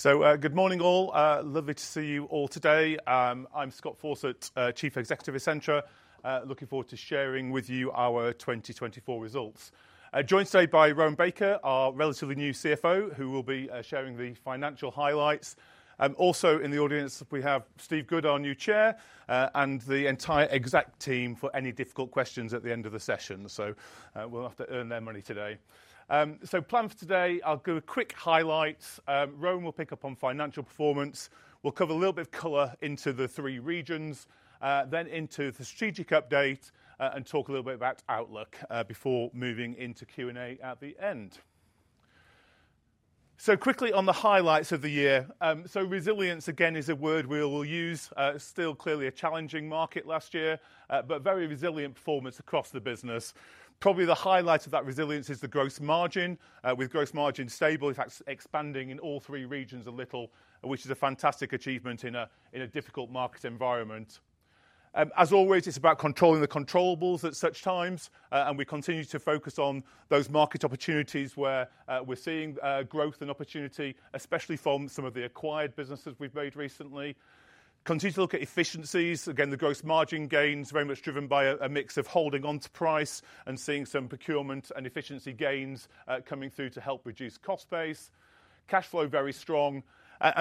Thank you. Good morning, all. Lovely to see you all today. I'm Scott Fawcett, Chief Executive at Essentra. Looking forward to sharing with you our 2024 results. Joined today by Rowan Baker, our relatively new CFO, who will be sharing the financial highlights. Also in the audience, we have Steve Good, our new Chair, and the entire exec team for any difficult questions at the end of the session. We'll have to earn their money today. The plan for today, I'll give a quick highlight. Rowan will pick up on financial performance. We'll cover a little bit of color into the three regions, then into the strategic update, and talk a little bit about outlook, before moving into Q&A at the end. Quickly on the highlights of the year. Resilience, again, is a word we'll use. Still clearly a challenging market last year, but very resilient performance across the business. Probably the highlight of that resilience is the gross margin, with gross margin stable, in fact, expanding in all three regions a little, which is a fantastic achievement in a difficult market environment. As always, it's about controlling the controllable at such times. We continue to focus on those market opportunities where we're seeing growth and opportunity, especially from some of the acquired businesses we've made recently. Continue to look at efficiencies. Again, the gross margin gains, very much driven by a mix of holding onto price and seeing some procurement and efficiency gains coming through to help reduce cost base. Cash flow very strong.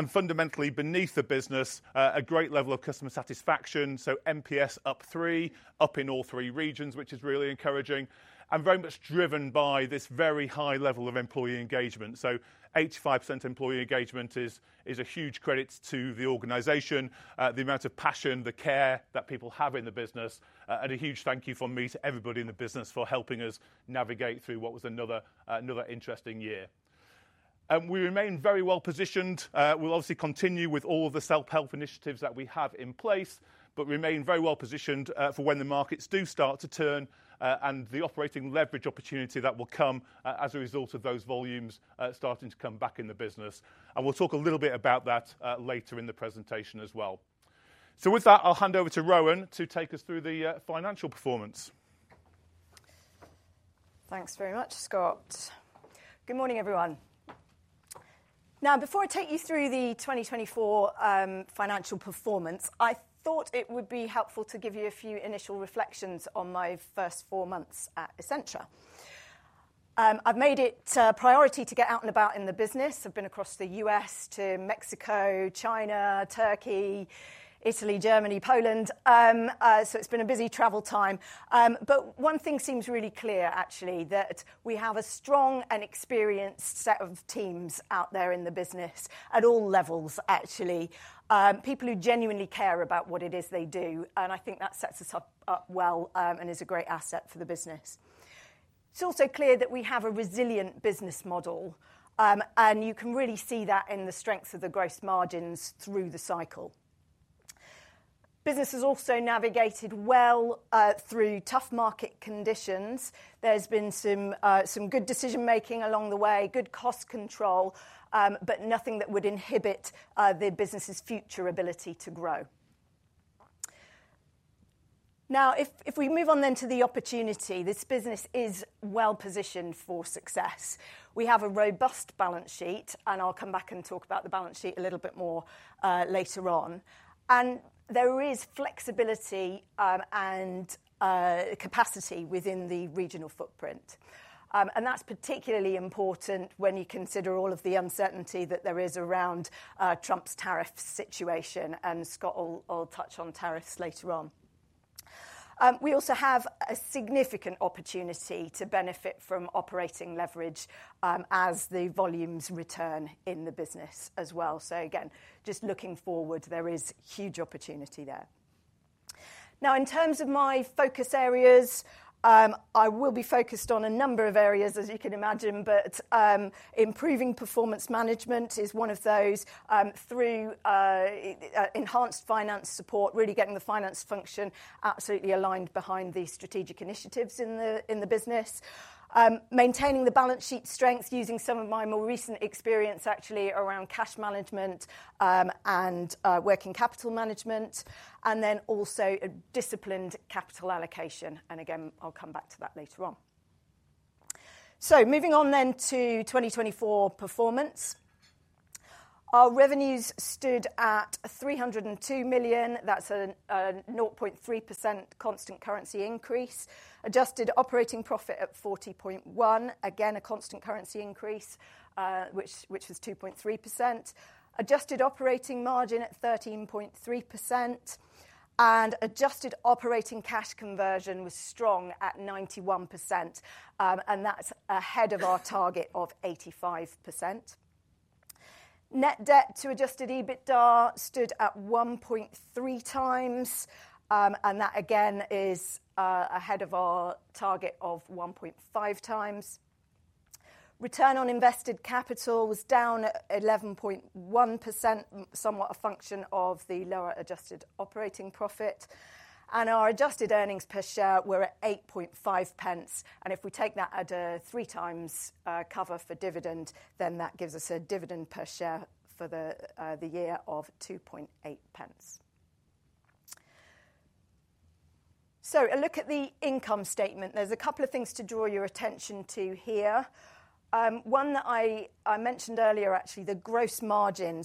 Fundamentally beneath the business, a great level of customer satisfaction. NPS up three, up in all three regions, which is really encouraging and very much driven by this very high level of employee engagement. 85% employee engagement is a huge credit to the organization, the amount of passion, the care that people have in the business and a huge thank you from me to everybody in the business for helping us navigate through what was another interesting year. We remain very well-positioned. We'll obviously continue with all of the self-help initiatives that we have in place, but remain very well-positioned for when the markets do start to turn, and the operating leverage opportunity that will come as a result of those volumes starting to come back in the business. We'll talk a little bit about that later in the presentation as well. With that, I'll hand over to Rowan to take us through the financial performance. Thanks very much, Scott. Good morning, everyone. Now, before I take you through the 2024 financial performance, I thought it would be helpful to give you a few initial reflections on my first four months at Essentra. I've made it a priority to get out and about in the business. I've been across the U.S. to Mexico, China, Turkey, Italy, Germany, Poland. It's been a busy travel time. One thing seems really clear, actually, that we have a strong and experienced set of teams out there in the business at all levels, actually. People who genuinely care about what it is they do. I think that sets us up well and is a great asset for the business. It's also clear that we have a resilient business model. You can really see that in the strength of the gross margins through the cycle. Business has also navigated well through tough market conditions. There's been some good decision-making along the way, good cost control, but nothing that would inhibit the business's future ability to grow. If we move on then to the opportunity, this business is well-positioned for success. We have a robust balance sheet, and I'll come back and talk about the balance sheet a little bit more later on. There is flexibility and capacity within the regional footprint. That is particularly important when you consider all of the uncertainty that there is around Trump's tariff situation. Scott will touch on tariffs later on. We also have a significant opportunity to benefit from operating leverage as the volumes return in the business as well. Just looking forward, there is huge opportunity there. Now, in terms of my focus areas, I will be focused on a number of areas, as you can imagine, but improving performance management is one of those, through enhanced finance support, really getting the finance function absolutely aligned behind the strategic initiatives in the business. Maintaining the balance sheet strength using some of my more recent experience, actually, around cash management, and working capital management, and then also a disciplined capital allocation. Again, I'll come back to that later on. Moving on then to 2024 performance. Our revenues stood at 302 million, that's a 0.3% constant currency increase. Adjusted operating profit at 40.1 million, again, a constant currency increase, which was 2.3%. Adjusted operating margin at 13.3%. Adjusted operating cash conversion was strong at 91%, and that's ahead of our target of 85%. Net debt to adjusted EBITDA stood at 1.3×, and that again is, ahead of our target of 1.5×. Return on invested capital was down at 11.1%, somewhat a function of the lower adjusted operating profit, and our adjusted earnings per share were at 0.085. If we take that at a 3× cover for dividend, then that gives us a dividend per share for the year of 0.028. A look at the income statement. There's a couple of things to draw your attention to here. One that I mentioned earlier, actually, the gross margin.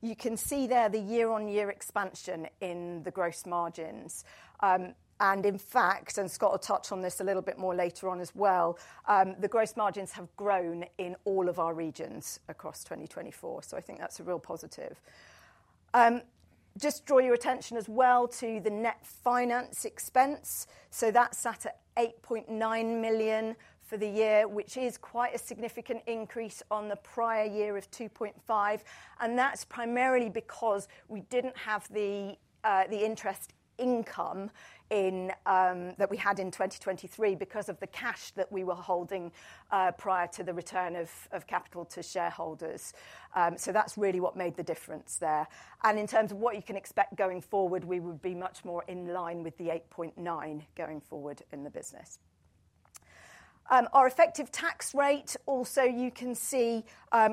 You can see there the year-on-year expansion in the gross margins. In fact, and Scott will touch on this a little bit more later on as well, the gross margins have grown in all of our regions across 2024. I think that's a real positive. Just draw your attention as well to the net finance expense. That sat at 8.9 million for the year, which is quite a significant increase on the prior year of 2.5 million. That is primarily because we did not have the interest income in that we had in 2023 because of the cash that we were holding prior to the return of capital to shareholders. That is really what made the difference there. In terms of what you can expect going forward, we would be much more in line with the 8.9 million going forward in the business. Our effective tax rate also, you can see,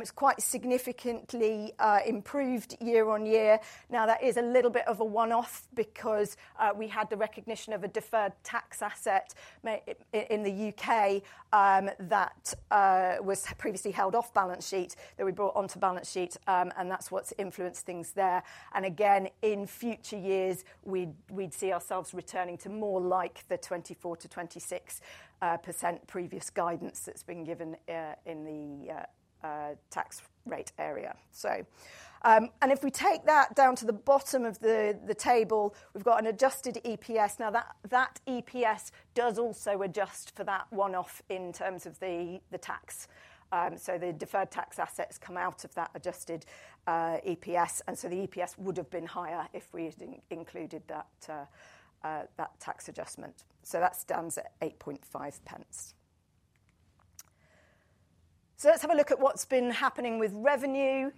is quite significantly improved year-on-year. That is a little bit of a one-off because we had the recognition of a deferred tax asset in the U.K. that was previously held off balance sheet that we brought onto balance sheet. That's what's influenced things there. Again, in future years, we'd see ourselves returning to more like the 24%-26% previous guidance that's been given in the tax rate area. If we take that down to the bottom of the table, we've got an adjusted EPS. Now, that EPS does also adjust for that one-off in terms of the tax. The deferred tax assets come out of that adjusted EPS. The EPS would have been higher if we had included that tax adjustment. That stands at 0.085. Let's have a look at what's been happening with revenue.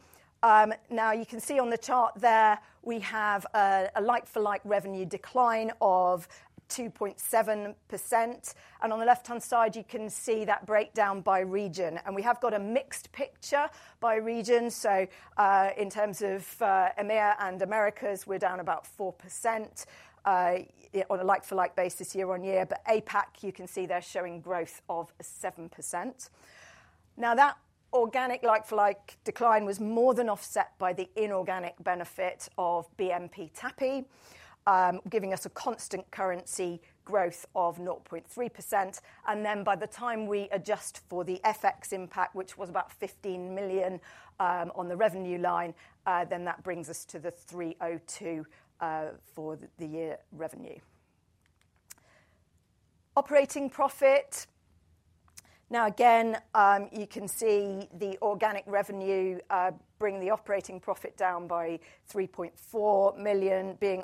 Now you can see on the chart there we have a like-for-like revenue decline of 2.7%. On the left-hand side, you can see that breakdown by region. We have got a mixed picture by region. In terms of EMEA and Americas, we are down about 4% on a like-for-like basis year-on-year. APAC, you can see they are showing growth of 7%. That organic like-for-like decline was more than offset by the inorganic benefit of BMP Tappi, giving us a constant currency growth of 0.3%. By the time we adjust for the FX impact, which was about 15 million on the revenue line, that brings us to the 302 million for the year revenue. Operating profit. Again, you can see the organic revenue bringing the operating profit down by 3.4 million, being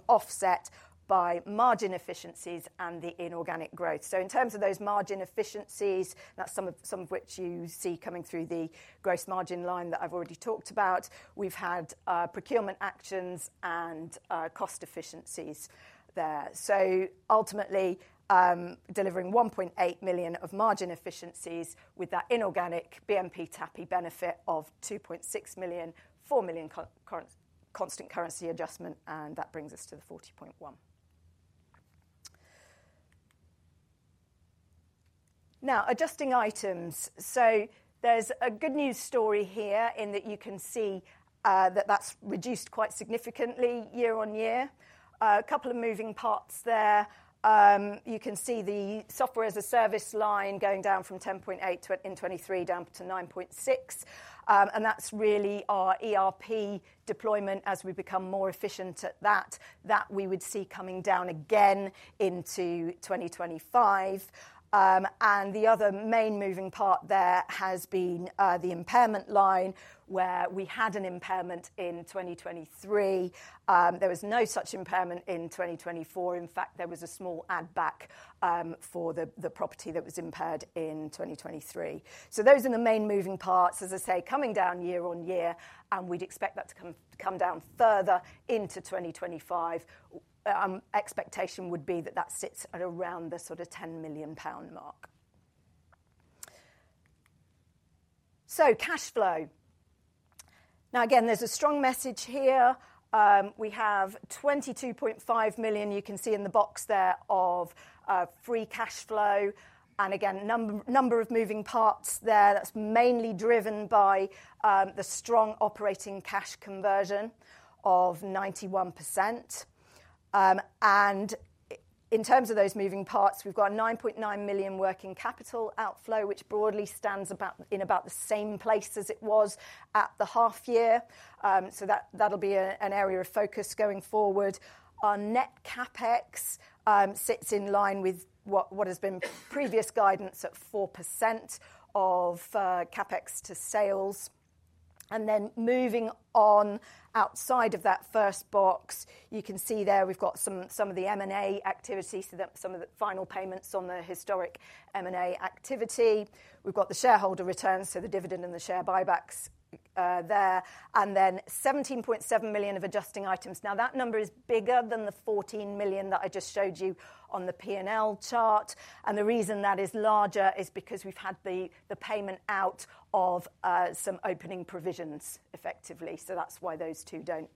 offset by margin efficiencies and the inorganic growth. In terms of those margin efficiencies, that is some of, some of which you see coming through the gross margin line that I have already talked about. We've had procurement actions and cost efficiencies there. Ultimately, delivering 1.8 million of margin efficiencies with that inorganic BMP Tappi benefit of 2.6 million, 4 million constant currency adjustment, that brings us to the 40.1 million. Now, adjusting items. There's a good news story here in that you can see that that's reduced quite significantly year-on-year. A couple of moving parts there. You can see the software as a service line going down from 10.8 million in 2023 down to 9.6 million. That's really our ERP deployment as we become more efficient at that, that we would see coming down again into 2025. The other main moving part there has been the impairment line where we had an impairment in 2023. There was no such impairment in 2024. In fact, there was a small add-back for the property that was impaired in 2023. Those are the main moving parts, as I say, coming down year-on-year. We'd expect that to come down further into 2025. Expectation would be that that sits at around the sort of 10 million pound mark. Cash flow. Now, again, there's a strong message here. We have 22.5 million, you can see in the box there, of free cash flow. Again, number of moving parts there. That's mainly driven by the strong operating cash conversion of 91%. In terms of those moving parts, we've got a 9.9 million working capital outflow, which broadly stands about in about the same place as it was at the half year. That'll be an area of focus going forward. Our net CapEx sits in line with what has been previous guidance at 4% of CapEx to sales. Then moving on outside of that first box, you can see there we've got some of the M&A activity, so that is some of the final payments on the historic M&A activity. We've got the shareholder returns, so the dividend and the share buybacks there. Then 17.7 million of adjusting items. Now, that number is bigger than the 14 million that I just showed you on the P&L chart. The reason that is larger is because we've had the payment out of some opening provisions effectively. That's why those two do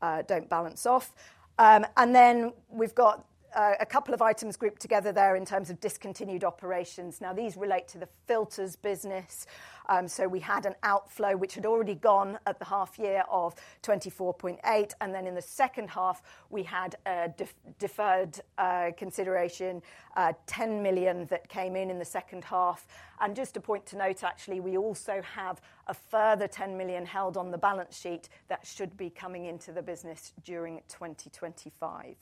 not balance off. Then we've got a couple of items grouped together there in terms of discontinued operations. These relate to the filters business. We had an outflow, which had already gone at the half year, of 24.8 million. In the second half, we had a deferred consideration, 10 million that came in in the second half. Just a point to note, actually, we also have a further 10 million held on the balance sheet that should be coming into the business during 2025.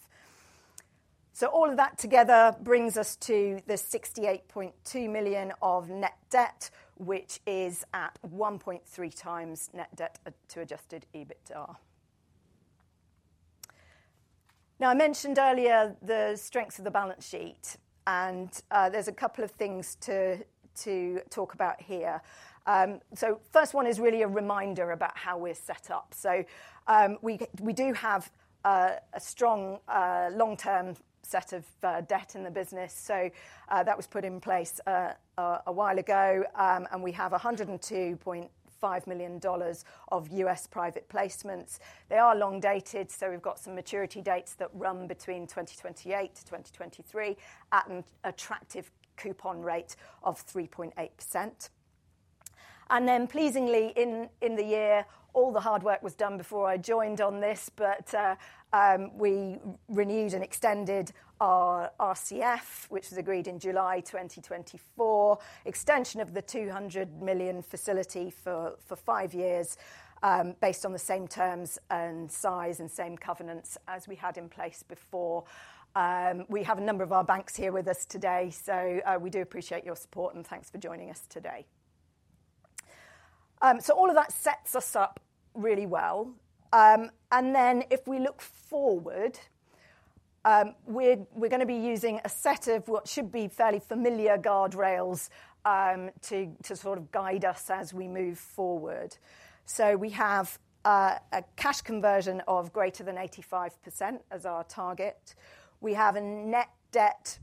All of that together brings us to the 68.2 million of net debt, which is at 1.3× net debt to adjusted EBITDA. I mentioned earlier the strength of the balance sheet, and there are a couple of things to talk about here. The first one is really a reminder about how we are set up. We do have a strong, long-term set of debt in the business. That was put in place a while ago, and we have $102.5 million of U.S. private placements. They are long dated, so we've got some maturity dates that run between 2028-2033 at an attractive coupon rate of 3.8%. Pleasingly, in the year, all the hard work was done before I joined on this, but we renewed and extended our RCF, which was agreed in July 2024, extension of the 200 million facility for five years, based on the same terms and size and same covenants as we had in place before. We have a number of our banks here with us today. We do appreciate your support and thanks for joining us today. All of that sets us up really well. If we look forward, we're going to be using a set of what should be fairly familiar guardrails to sort of guide us as we move forward. We have a cash conversion of greater than 85% as our target. We have a net debt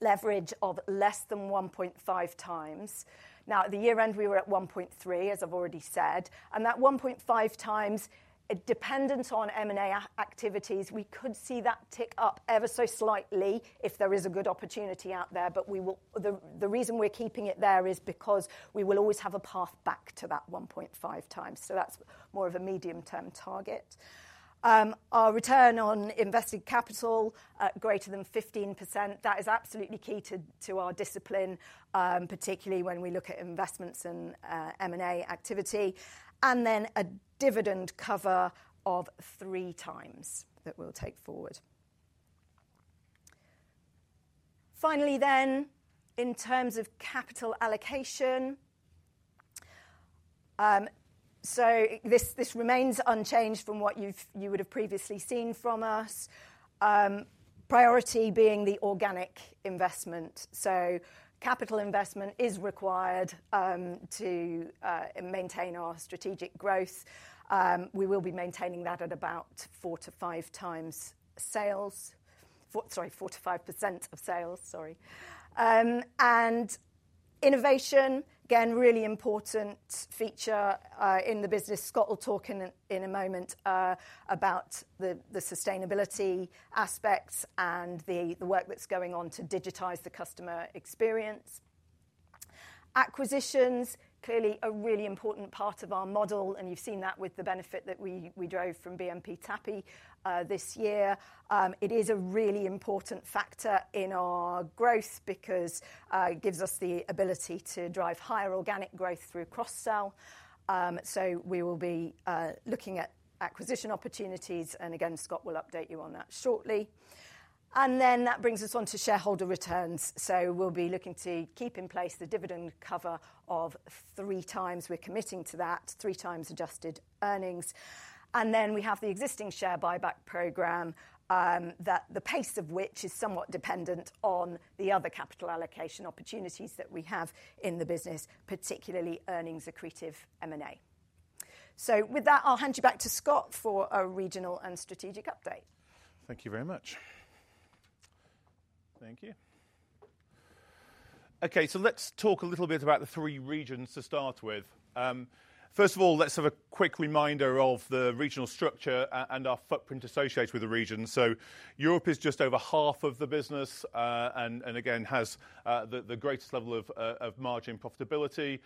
leverage of less than 1.5×. At the year end, we were at 1.3, as I've already said. That 1.5×, dependent on M&A activities, we could see that tick up ever so slightly if there is a good opportunity out there. The reason we're keeping it there is because we will always have a path back to that 1.5×. That's more of a medium-term target. Our return on invested capital, greater than 15%. That is absolutely key to our discipline, particularly when we look at investments and M&A activity. Then a dividend cover of 3× that we'll take forward. Finally, in terms of capital allocation, this remains unchanged from what you would have previously seen from us. Priority being the organic investment. Capital investment is required to maintain our strategic growth. We will be maintaining that at about 4×-5× of sales, sorry, 4%-5% of sales, sorry. Innovation, again, really important feature in the business. Scott will talk in a moment about the sustainability aspects and the work that is going on to digitize the customer experience. Acquisitions clearly a really important part of our model. You have seen that with the benefit that we drove from BMP Tappi this year. It is a really important factor in our growth because it gives us the ability to drive higher organic growth through cross-sell. We will be looking at acquisition opportunities. Scott will update you on that shortly. That brings us on to shareholder returns. We will be looking to keep in place the dividend cover of 3×. We are committing to that 3× adjusted earnings. We have the existing share buyback program, the pace of which is somewhat dependent on the other capital allocation opportunities that we have in the business, particularly earnings accretive M&A. With that, I will hand you back to Scott for a regional and strategic update. Thank you very much. Thank you. Okay. Let us talk a little bit about the three regions to start with. First of all, let us have a quick reminder of the regional structure and our footprint associated with the region. Europe is just over half of the business, and again, has the greatest level of margin profitability,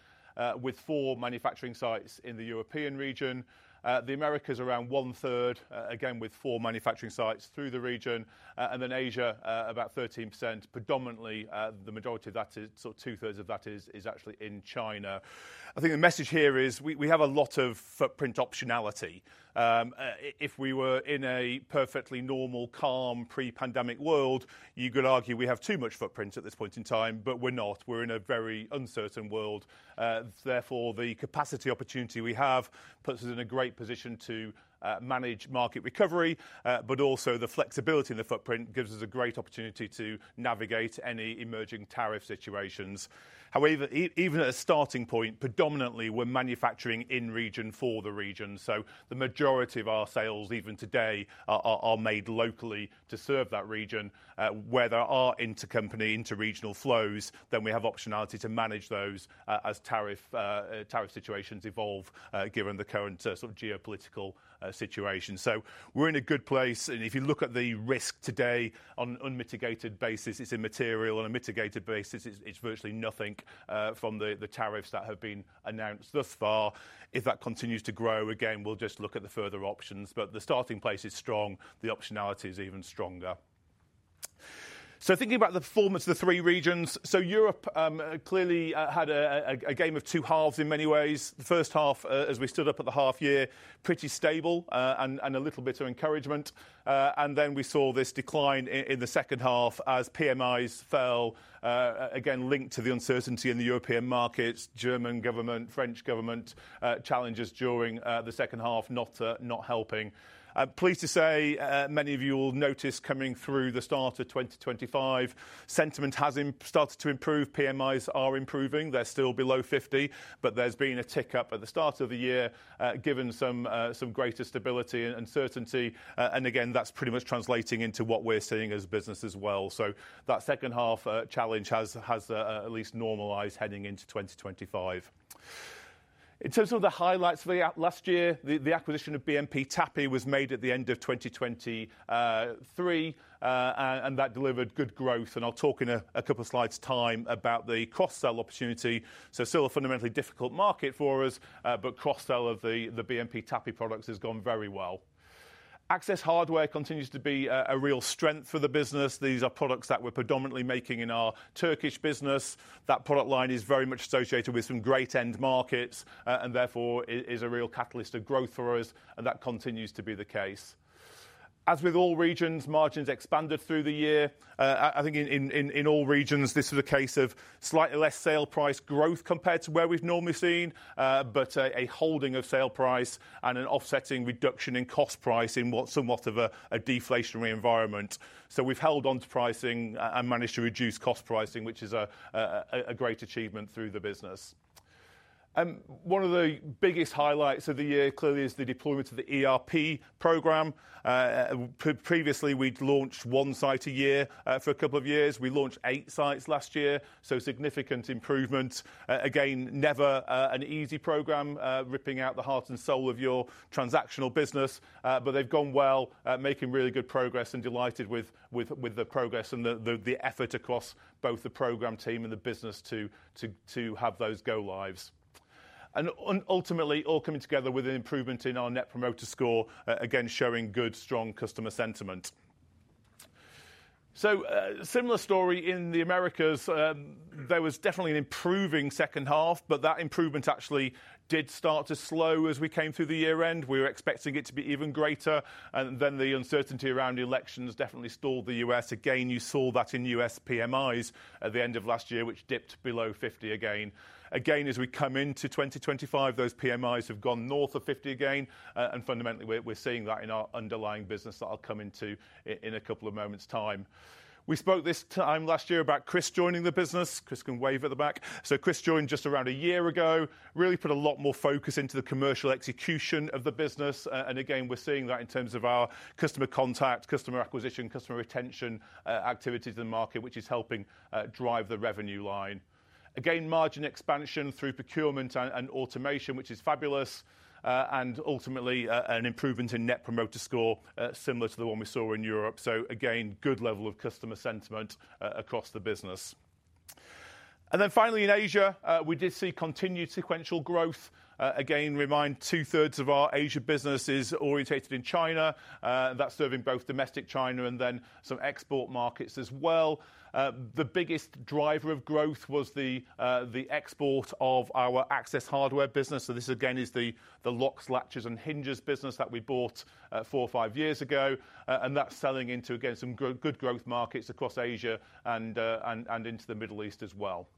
with four manufacturing sites in the European region. The Americas are around 1/3, again, with four manufacturing sites through the region. Then Asia, about 13%, predominantly, the majority of that is sort of 2/3 of that is actually in China. I think the message here is we have a lot of footprint optionality. If we were in a perfectly normal, calm, pre-pandemic world, you could argue we have too much footprint at this point in time, but we're not. We're in a very uncertain world. Therefore, the capacity opportunity we have puts us in a great position to manage market recovery, but also the flexibility in the footprint gives us a great opportunity to navigate any emerging tariff situations. However, even at a starting point, predominantly we're manufacturing in region for the region. The majority of our sales, even today, are made locally to serve that region. Where there are intercompany interregional flows, we have optionality to manage those as tariff situations evolve, given the current, sort of geopolitical, situation. We are in a good place. If you look at the risk today on an unmitigated basis, it is immaterial. On a mitigated basis, it is virtually nothing from the tariffs that have been announced thus far. If that continues to grow, we will just look at the further options. The starting place is strong. The optionality is even stronger. Thinking about the performance of the three regions, Europe clearly had a game of two halves in many ways. The first half, as we stood up at the half year, pretty stable, and a little bit of encouragement. Then we saw this decline in the second half as PMIs fell, again, linked to the uncertainty in the European markets, German government, French government, challenges during the second half, not helping. Pleased to say, many of you will notice coming through the start of 2025, sentiment has started to improve. PMIs are improving. They're still below 50, but there's been a tick up at the start of the year, given some greater stability and uncertainty. That is pretty much translating into what we're seeing as a business as well. That second half challenge has at least normalized heading into 2025. In terms of the highlights for the last year, the acquisition of BMP Tappi was made at the end of 2023, and that delivered good growth. I'll talk in a couple of slides time about the cross-sell opportunity. Still a fundamentally difficult market for us, but cross-sell of the BMP TAPPI products has gone very well. Access Hardware continues to be a real strength for the business. These are products that we're predominantly making in our Turkish business. That product line is very much associated with some great end markets, and therefore is a real catalyst of growth for us. That continues to be the case. As with all regions, margins expanded through the year. I think in all regions, this is a case of slightly less sale price growth compared to where we've normally seen, but a holding of sale price and an offsetting reduction in cost price in what's somewhat of a deflationary environment. We've held onto pricing and managed to reduce cost pricing, which is a great achievement through the business. One of the biggest highlights of the year clearly is the deployment of the ERP program. Previously we'd launched one site a year, for a couple of years. We launched eight sites last year. Significant improvement. Again, never an easy program, ripping out the heart and soul of your transactional business. They've gone well, making really good progress and delighted with the progress and the effort across both the program team and the business to have those go lives. Ultimately, all coming together with an improvement in our Net Promoter Score, again, showing good strong customer sentiment. Similar story in the Americas. There was definitely an improving second half, but that improvement actually did start to slow as we came through the year end. We were expecting it to be even greater. The uncertainty around elections definitely stalled the U.S. Again, you saw that in U.S. PMIs at the end of last year, which dipped below 50 again. As we come into 2025, those PMIs have gone north of 50 again. Fundamentally we're seeing that in our underlying business that I'll come into in a couple of moments' time. We spoke this time last year about Chris joining the business. Chris can wave at the back. Chris joined just around a year ago, really put a lot more focus into the commercial execution of the business. We're seeing that in terms of our customer contact, customer acquisition, customer retention, activities in the market, which is helping drive the revenue line. Margin expansion through procurement and automation, which is fabulous. Ultimately, an improvement in net promoter score, similar to the one we saw in Europe. Good level of customer sentiment across the business. Finally, in Asia, we did see continued sequential growth. Remind 2/3 of our Asia business is orientated in China. That's serving both domestic China and then some export markets as well. The biggest driver of growth was the export of our Access Hardware business. This again is the locks, latches, and hinges business that we bought four or five years ago, and that's selling into, again, some good growth markets across Asia and into the Middle East as well.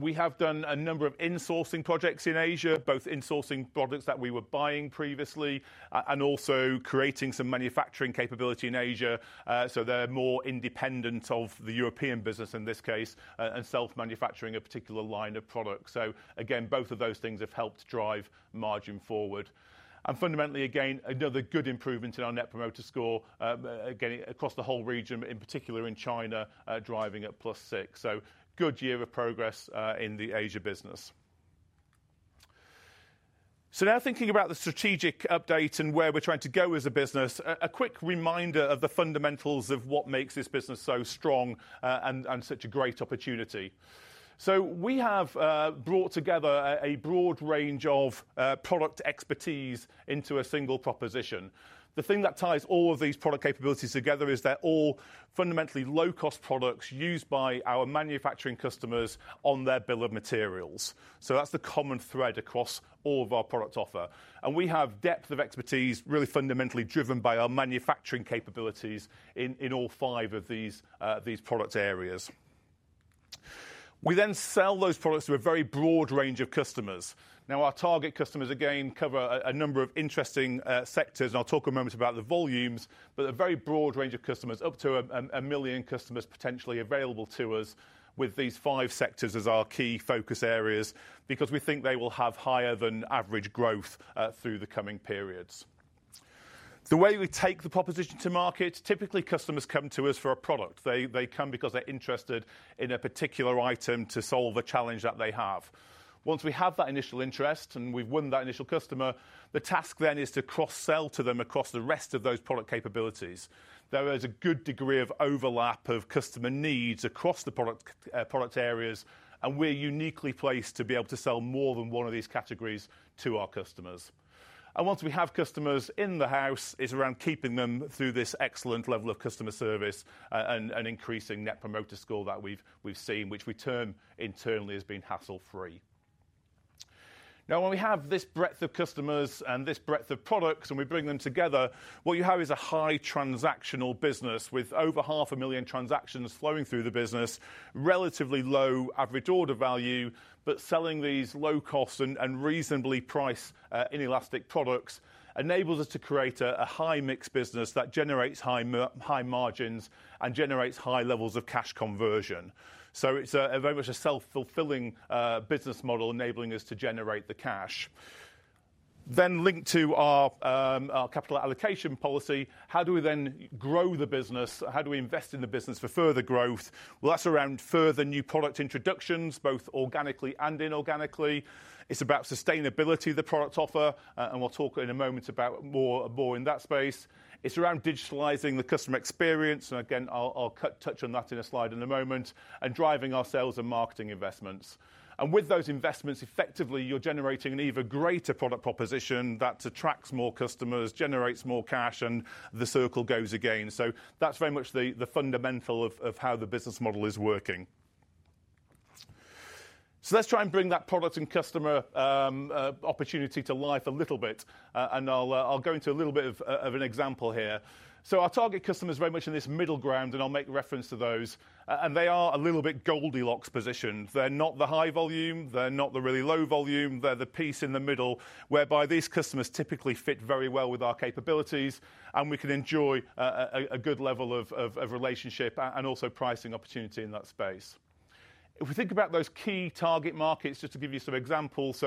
We have done a number of insourcing projects in Asia, both insourcing products that we were buying previously and also creating some manufacturing capability in Asia. They are more independent of the European business in this case and self-manufacturing a particular line of products. Both of those things have helped drive margin forward. Fundamentally, another good improvement in our Net Promoter Score, again, across the whole region, in particular in China, driving at +6. Good year of progress in the Asia business. Now thinking about the strategic update and where we're trying to go as a business, a quick reminder of the fundamentals of what makes this business so strong, and such a great opportunity. We have brought together a broad range of product expertise into a single proposition. The thing that ties all of these product capabilities together is they're all fundamentally low cost products used by our manufacturing customers on their bill of materials. That's the common thread across all of our product offer. We have depth of expertise really fundamentally driven by our manufacturing capabilities in all five of these product areas. We then sell those products to a very broad range of customers. Our target customers again cover a number of interesting sectors. I'll talk in a moment about the volumes, but a very broad range of customers, up to a million customers potentially available to us, with these five sectors as our key focus areas because we think they will have higher than average growth through the coming periods. The way we take the proposition to market, typically customers come to us for a product. They come because they're interested in a particular item to solve a challenge that they have. Once we have that initial interest and we've won that initial customer, the task then is to cross-sell to them across the rest of those product capabilities. There is a good degree of overlap of customer needs across the product areas, and we're uniquely placed to be able to sell more than one of these categories to our customers. Once we have customers in the house, it's around keeping them through this excellent level of customer service and increasing net promoter score that we've seen, which we term internally as being hassle-free. Now, when we have this breadth of customers and this breadth of products and we bring them together, what you have is a high transactional business with over 500,000 transactions flowing through the business, relatively low average order value, but selling these low cost and reasonably priced, inelastic products enables us to create a high mix business that generates high margins and generates high levels of cash conversion. It is very much a self-fulfilling business model enabling us to generate the cash. Linked to our capital allocation policy, how do we then grow the business? How do we invest in the business for further growth? That is around further new product introductions, both organically and inorganically. It is about sustainability, the product offer, and we will talk in a moment about more, more in that space. It is around digitalizing the customer experience. Again, I will touch on that in a slide in a moment and driving our sales and marketing investments. With those investments, effectively you are generating an even greater product proposition that attracts more customers, generates more cash, and the circle goes again. That is very much the fundamental of how the business model is working. Let us try and bring that product and customer opportunity to life a little bit. I will go into a little bit of an example here. Our target customer is very much in this middle ground, and I will make reference to those. They are a little bit Goldilocks positioned. They're not the high volume. They're not the really low volume. They're the piece in the middle whereby these customers typically fit very well with our capabilities, and we can enjoy a good level of relationship and also pricing opportunity in that space. If we think about those key target markets, just to give you some examples.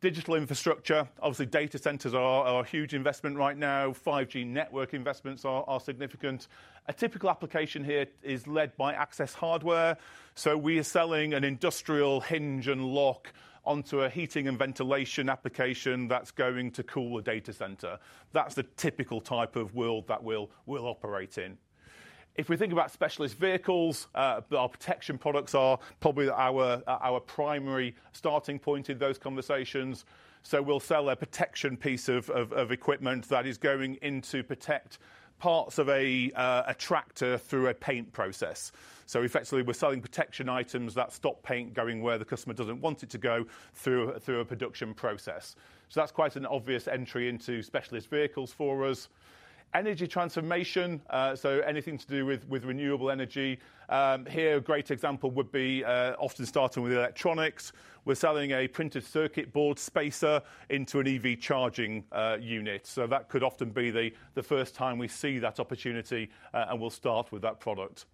Digital infrastructure, obviously data centers are a huge investment right now. 5G network investments are significant. A typical application here is led by Access Hardware. We are selling an industrial hinge and lock onto a heating and ventilation application that's going to cool a data center. That's the typical type of world that we'll operate in. If we think about specialist vehicles, our protection products are probably our primary starting point in those conversations. We sell a protection piece of equipment that is going in to protect parts of a tractor through a paint process. Effectively, we are selling protection items that stop paint going where the customer does not want it to go through a production process. That is quite an obvious entry into specialist vehicles for us. Energy transformation, anything to do with renewable energy, here a great example would be, often starting with electronics. We are selling a printed circuit board spacer into an EV charging unit. That could often be the first time we see that opportunity, and we will start with that product.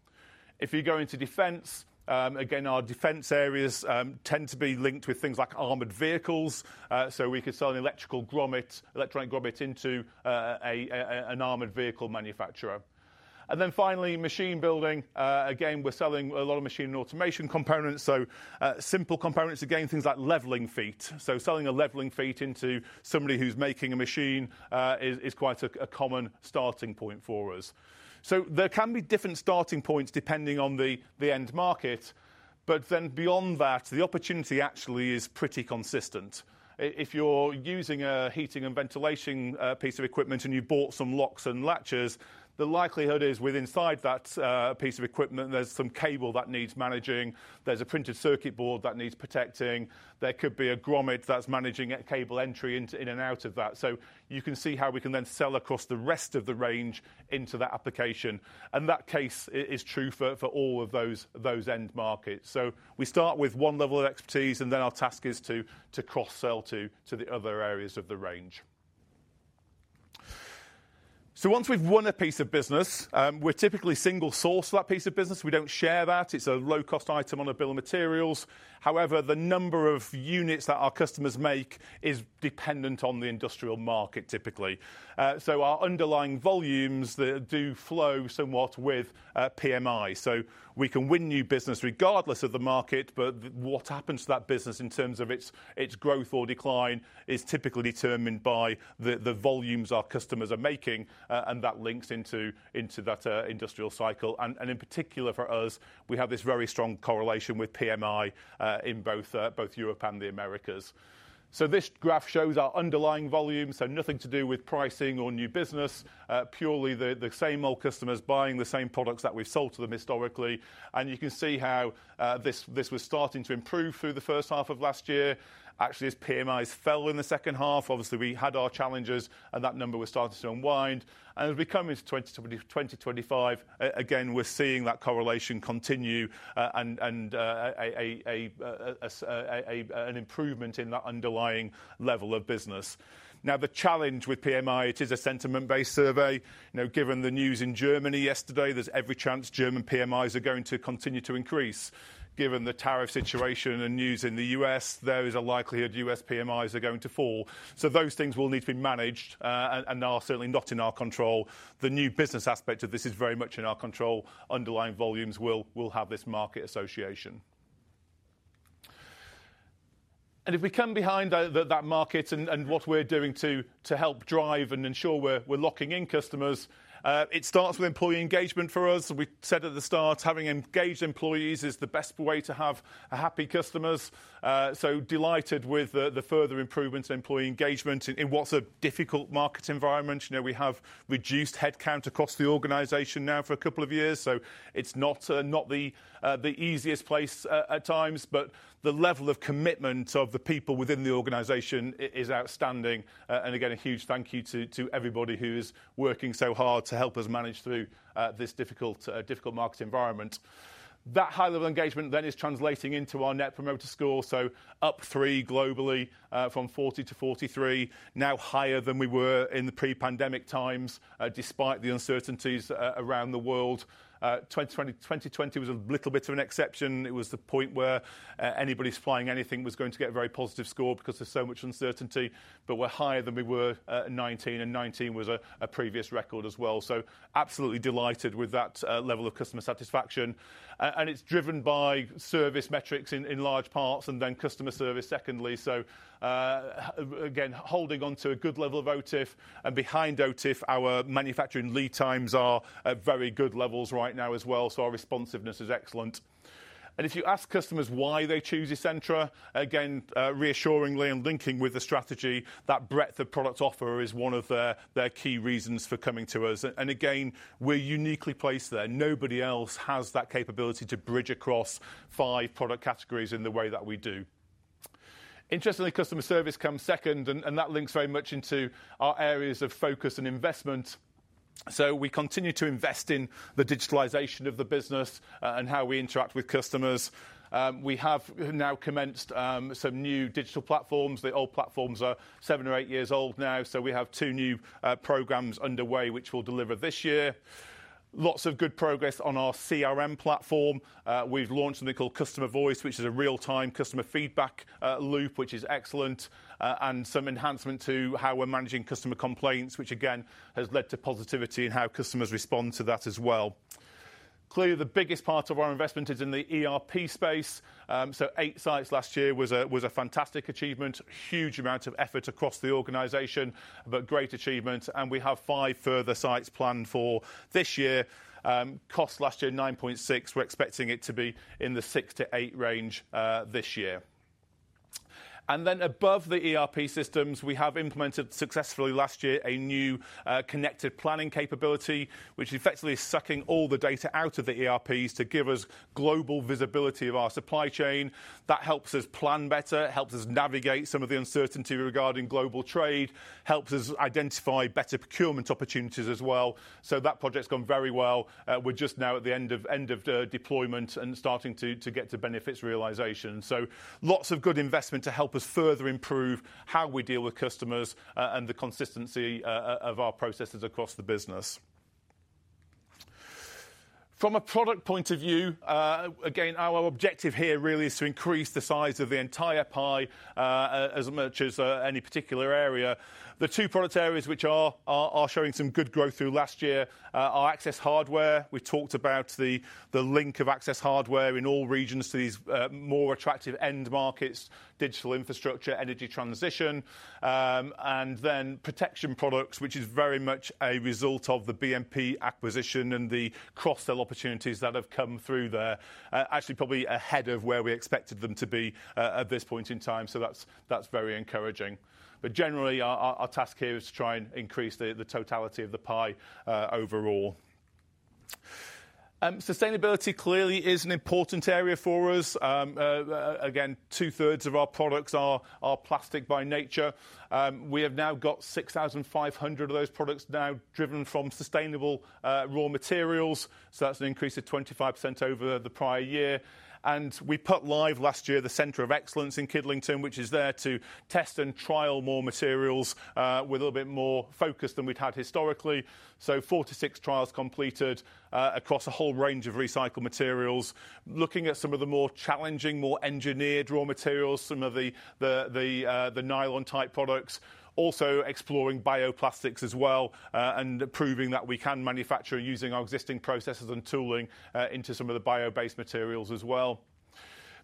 If you go into defense, again, our defense areas tend to be linked with things like armored vehicles. We could sell electrical grommets, electronic grommets into an armored vehicle manufacturer. Finally, machine building, again, we're selling a lot of machine and automation components. Simple components, again, things like leveling feet. Selling a leveling feet into somebody who's making a machine is quite a common starting point for us. There can be different starting points depending on the end market. Beyond that, the opportunity actually is pretty consistent. If you're using a heating and ventilation piece of equipment and you bought some locks and latches, the likelihood is within that piece of equipment, there's some cable that needs managing. There's a printed circuit board that needs protecting. There could be a grommet that's managing a cable entry in and out of that. You can see how we can then sell across the rest of the range into that application. That case is true for all of those end markets. We start with one level of expertise and then our task is to cross-sell to the other areas of the range. Once we've won a piece of business, we're typically single source for that piece of business. We don't share that. It's a low-cost item on a bill of materials. However, the number of units that our customers make is dependent on the industrial market typically. Our underlying volumes do flow somewhat with PMI. We can win new business regardless of the market, but what happens to that business in terms of its growth or decline is typically determined by the volumes our customers are making. That links into that industrial cycle. In particular for us, we have this very strong correlation with PMI in both Europe and the Americas. This graph shows our underlying volume, so nothing to do with pricing or new business, purely the same old customers buying the same products that we've sold to them historically. You can see how this was starting to improve through the first half of last year. Actually, as PMIs fell in the second half, obviously we had our challenges and that number was starting to unwind. As we come into 2020, 2025, again, we're seeing that correlation continue, and an improvement in that underlying level of business. Now, the challenge with PMI is it is a sentiment-based survey. You know, given the news in Germany yesterday, there's every chance German PMIs are going to continue to increase. Given the tariff situation and news in the U.S., there is a likelihood U.S. PMIs are going to fall. Those things will need to be managed, and are certainly not in our control. The new business aspect of this is very much in our control. Underlying volumes will have this market association. If we come behind that market and what we are doing to help drive and ensure we are locking in customers, it starts with employee engagement for us. We said at the start, having engaged employees is the best way to have happy customers. You know, we are delighted with the further improvements in employee engagement in what is a difficult market environment. You know, we have reduced headcount across the organization now for a couple of years. It's not the easiest place at times, but the level of commitment of the people within the organization is outstanding. Again, a huge thank you to everybody who is working so hard to help us manage through this difficult market environment. That high level of engagement then is translating into our Net Promoter Score, up three globally from 40-43, now higher than we were in the pre-pandemic times, despite the uncertainties around the world. 2020 was a little bit of an exception. It was the point where anybody flying anything was going to get a very positive score because there was so much uncertainty. We are higher than we were in 2019, and 2019 was a previous record as well. Absolutely delighted with that level of customer satisfaction. It is driven by service metrics in large parts and then customer service secondly. Again, holding onto a good level of OTIF and behind OTIF, our manufacturing lead times are at very good levels right now as well so our responsiveness is excellent. If you ask customers why they choose Essentra, again, reassuringly and linking with the strategy, that breadth of product offer is one of their key reasons for coming to us. We are uniquely placed there. Nobody else has that capability to bridge across five product categories in the way that we do. Interestingly, customer service comes second, and that links very much into our areas of focus and investment. We continue to invest in the digitalization of the business and how we interact with customers. We have now commenced some new digital platforms. The old platforms are seven or eight years old now. We have two new programs underway, which we'll deliver this year. Lots of good progress on our CRM platform. We've launched something called Customer Voice, which is a real-time customer feedback loop, which is excellent, and some enhancement to how we're managing customer complaints, which again has led to positivity in how customers respond to that as well. Clearly, the biggest part of our investment is in the ERP space. Eight sites last year was a fantastic achievement, huge amount of effort across the organization, but great achievement. We have five further sites planned for this year. Cost last year 9.6 million. We're expecting it to be in the 6 million-8 million range this year. Above the ERP systems, we have implemented successfully last year a new, connected planning capability, which effectively is sucking all the data out of the ERPs to give us global visibility of our supply chain. That helps us plan better, helps us navigate some of the uncertainty regarding global trade, helps us identify better procurement opportunities as well. That project's gone very well. We're just now at the end of deployment and starting to get to benefits realization. Lots of good investment to help us further improve how we deal with customers, and the consistency of our processes across the business. From a product point of view, again, our objective here really is to increase the size of the entire pie, as much as any particular area. The two product areas which are showing some good growth through last year are access hardware. We've talked about the link of access hardware in all regions to these more attractive end markets, digital infrastructure, energy transition, and then protection products, which is very much a result of the BMP acquisition and the cross-sell opportunities that have come through there, actually probably ahead of where we expected them to be at this point in time. That is very encouraging. Generally, our task here is to try and increase the totality of the pie overall. Sustainability clearly is an important area for us. Again, 2/3 of our products are plastic by nature. We have now got 6,500 of those products now driven from sustainable raw materials. That is an increase of 25% over the prior year. We put live last year the Centre of Excellence in Kidlington, which is there to test and trial more materials, with a little bit more focus than we'd had historically. Four to six trials completed, across a whole range of recycled materials, looking at some of the more challenging, more engineered raw materials, some of the nylon-type products, also exploring bioplastics as well, and proving that we can manufacture using our existing processes and tooling, into some of the bio-based materials as well.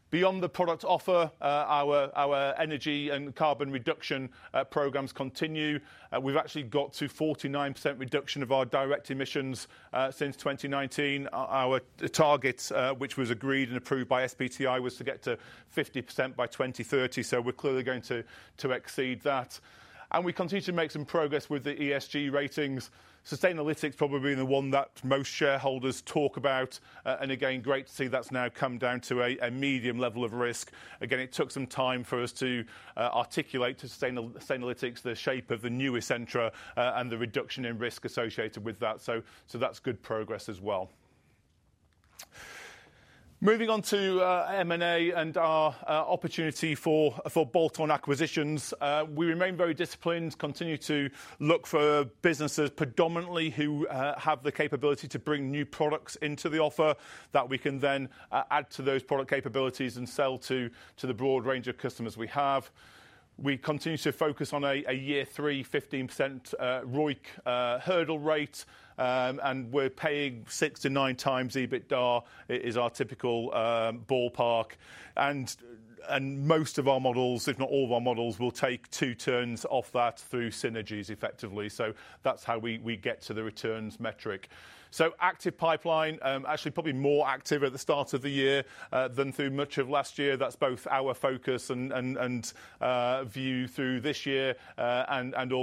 Beyond the product offer, our energy and carbon reduction programs continue. We've actually got to 49% reduction of our direct emissions since 2019. Our target, which was agreed and approved by SBTi, was to get to 50% by 2030. We are clearly going to exceed that. We continue to make some progress with the ESG ratings. Sustainalytics probably being the one that most shareholders talk about. Again, great to see that's now come down to a medium level of risk. It took some time for us to articulate to Sustainalytics the shape of the new Essentra, and the reduction in risk associated with that. That's good progress as well. Moving on to M&A and our opportunity for bolt-on acquisitions. We remain very disciplined, continue to look for businesses predominantly who have the capability to bring new products into the offer that we can then add to those product capabilities and sell to the broad range of customers we have. We continue to focus on a year three, 15% ROIC hurdle rate. We're paying 6×-9× EBITDA. It is our typical ballpark. Most of our models, if not all of our models, will take two turns off that through synergies effectively. That is how we get to the returns metric. Active pipeline, actually probably more active at the start of the year than through much of last year. That is both our focus and view through this year.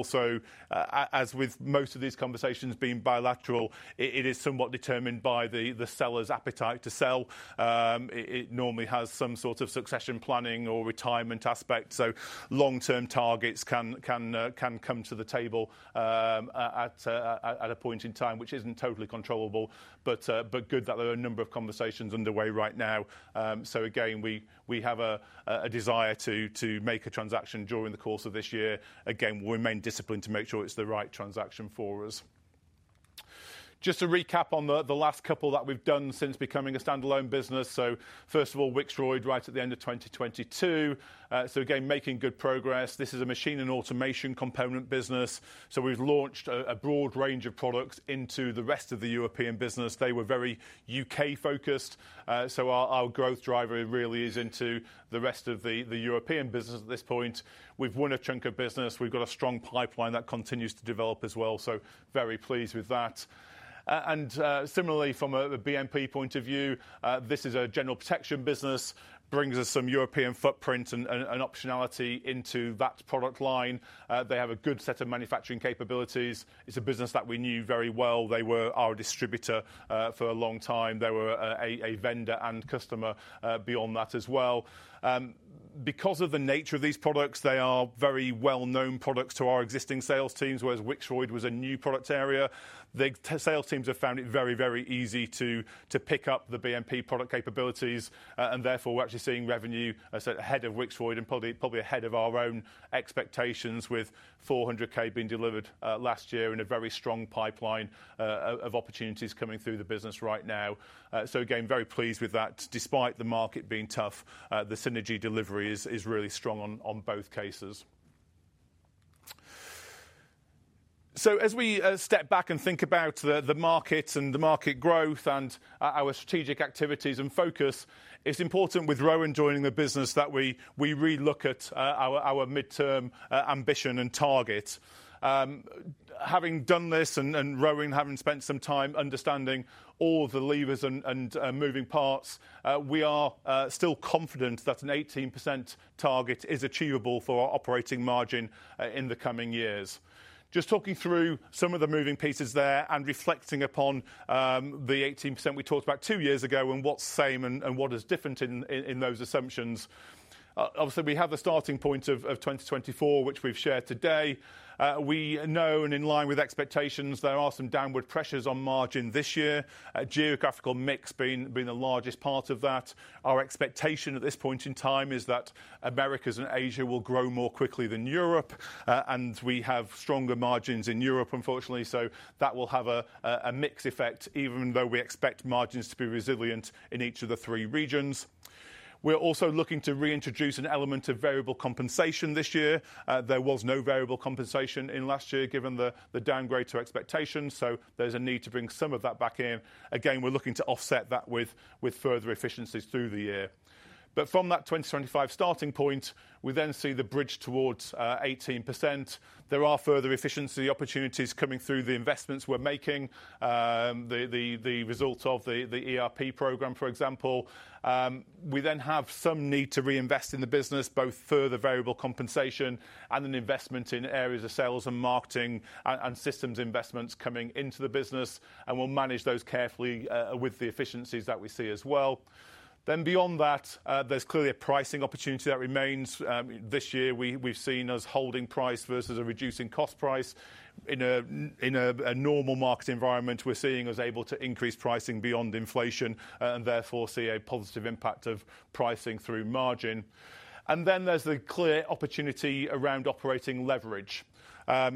Also, as with most of these conversations being bilateral, it is somewhat determined by the seller's appetite to sell. It normally has some sort of succession planning or retirement aspect. Long-term targets can come to the table at a point in time, which is not totally controllable. Good that there are a number of conversations underway right now. Again, we have a desire to make a transaction during the course of this year. Again, we'll remain disciplined to make sure it's the right transaction for us. Just to recap on the last couple that we've done since becoming a standalone business. First of all, Wixroyd right at the end of 2022. Again, making good progress. This is a machine and automation component business. We've launched a broad range of products into the rest of the European business. They were very U.K.-focused. Our growth driver really is into the rest of the European business at this point. We've won a chunk of business. We've got a strong pipeline that continues to develop as well. Very pleased with that. Similarly, from a BMP point of view, this is a general protection business, brings us some European footprint and optionality into that product line. They have a good set of manufacturing capabilities. It's a business that we knew very well. They were our distributor for a long time. They were a vendor and customer, beyond that as well. Because of the nature of these products, they are very well-known products to our existing sales teams, whereas Wixroyd was a new product area. The sales teams have found it very, very easy to pick up the BMP product capabilities. Therefore, we're actually seeing revenue ahead of Wixroyd and probably, probably ahead of our own expectations with 400,000 being delivered last year in a very strong pipeline of opportunities coming through the business right now. Again, very pleased with that. Despite the market being tough, the synergy delivery is really strong in both cases. As we step back and think about the market and the market growth and our strategic activities and focus, it's important with Rowan joining the business that we re-look at our midterm ambition and target. Having done this, and Rowan having spent some time understanding all the levers and moving parts, we are still confident that an 18% target is achievable for our operating margin in the coming years. Just talking through some of the moving pieces there and reflecting upon the 18% we talked about two years ago and what's same and what is different in those assumptions. Obviously, we have the starting point of 2024, which we've shared today. We know and in line with expectations, there are some downward pressures on margin this year. Geographical mix being the largest part of that. Our expectation at this point in time is that Americas and Asia will grow more quickly than Europe. We have stronger margins in Europe, unfortunately. That will have a mix effect, even though we expect margins to be resilient in each of the three regions. We're also looking to reintroduce an element of variable compensation this year. There was no variable compensation last year given the downgrade to expectations. There is a need to bring some of that back in. Again, we're looking to offset that with further efficiencies through the year. From that 2025 starting point, we then see the bridge towards 18%. There are further efficiency opportunities coming through the investments we're making, the result of the ERP program, for example. We then have some need to reinvest in the business, both further variable compensation and an investment in areas of sales and marketing and systems investments coming into the business. We will manage those carefully, with the efficiencies that we see as well. Beyond that, there is clearly a pricing opportunity that remains. This year we have seen us holding price versus a reducing cost price. In a normal market environment, we are seeing us able to increase pricing beyond inflation and therefore see a positive impact of pricing through margin. There is the clear opportunity around operating leverage.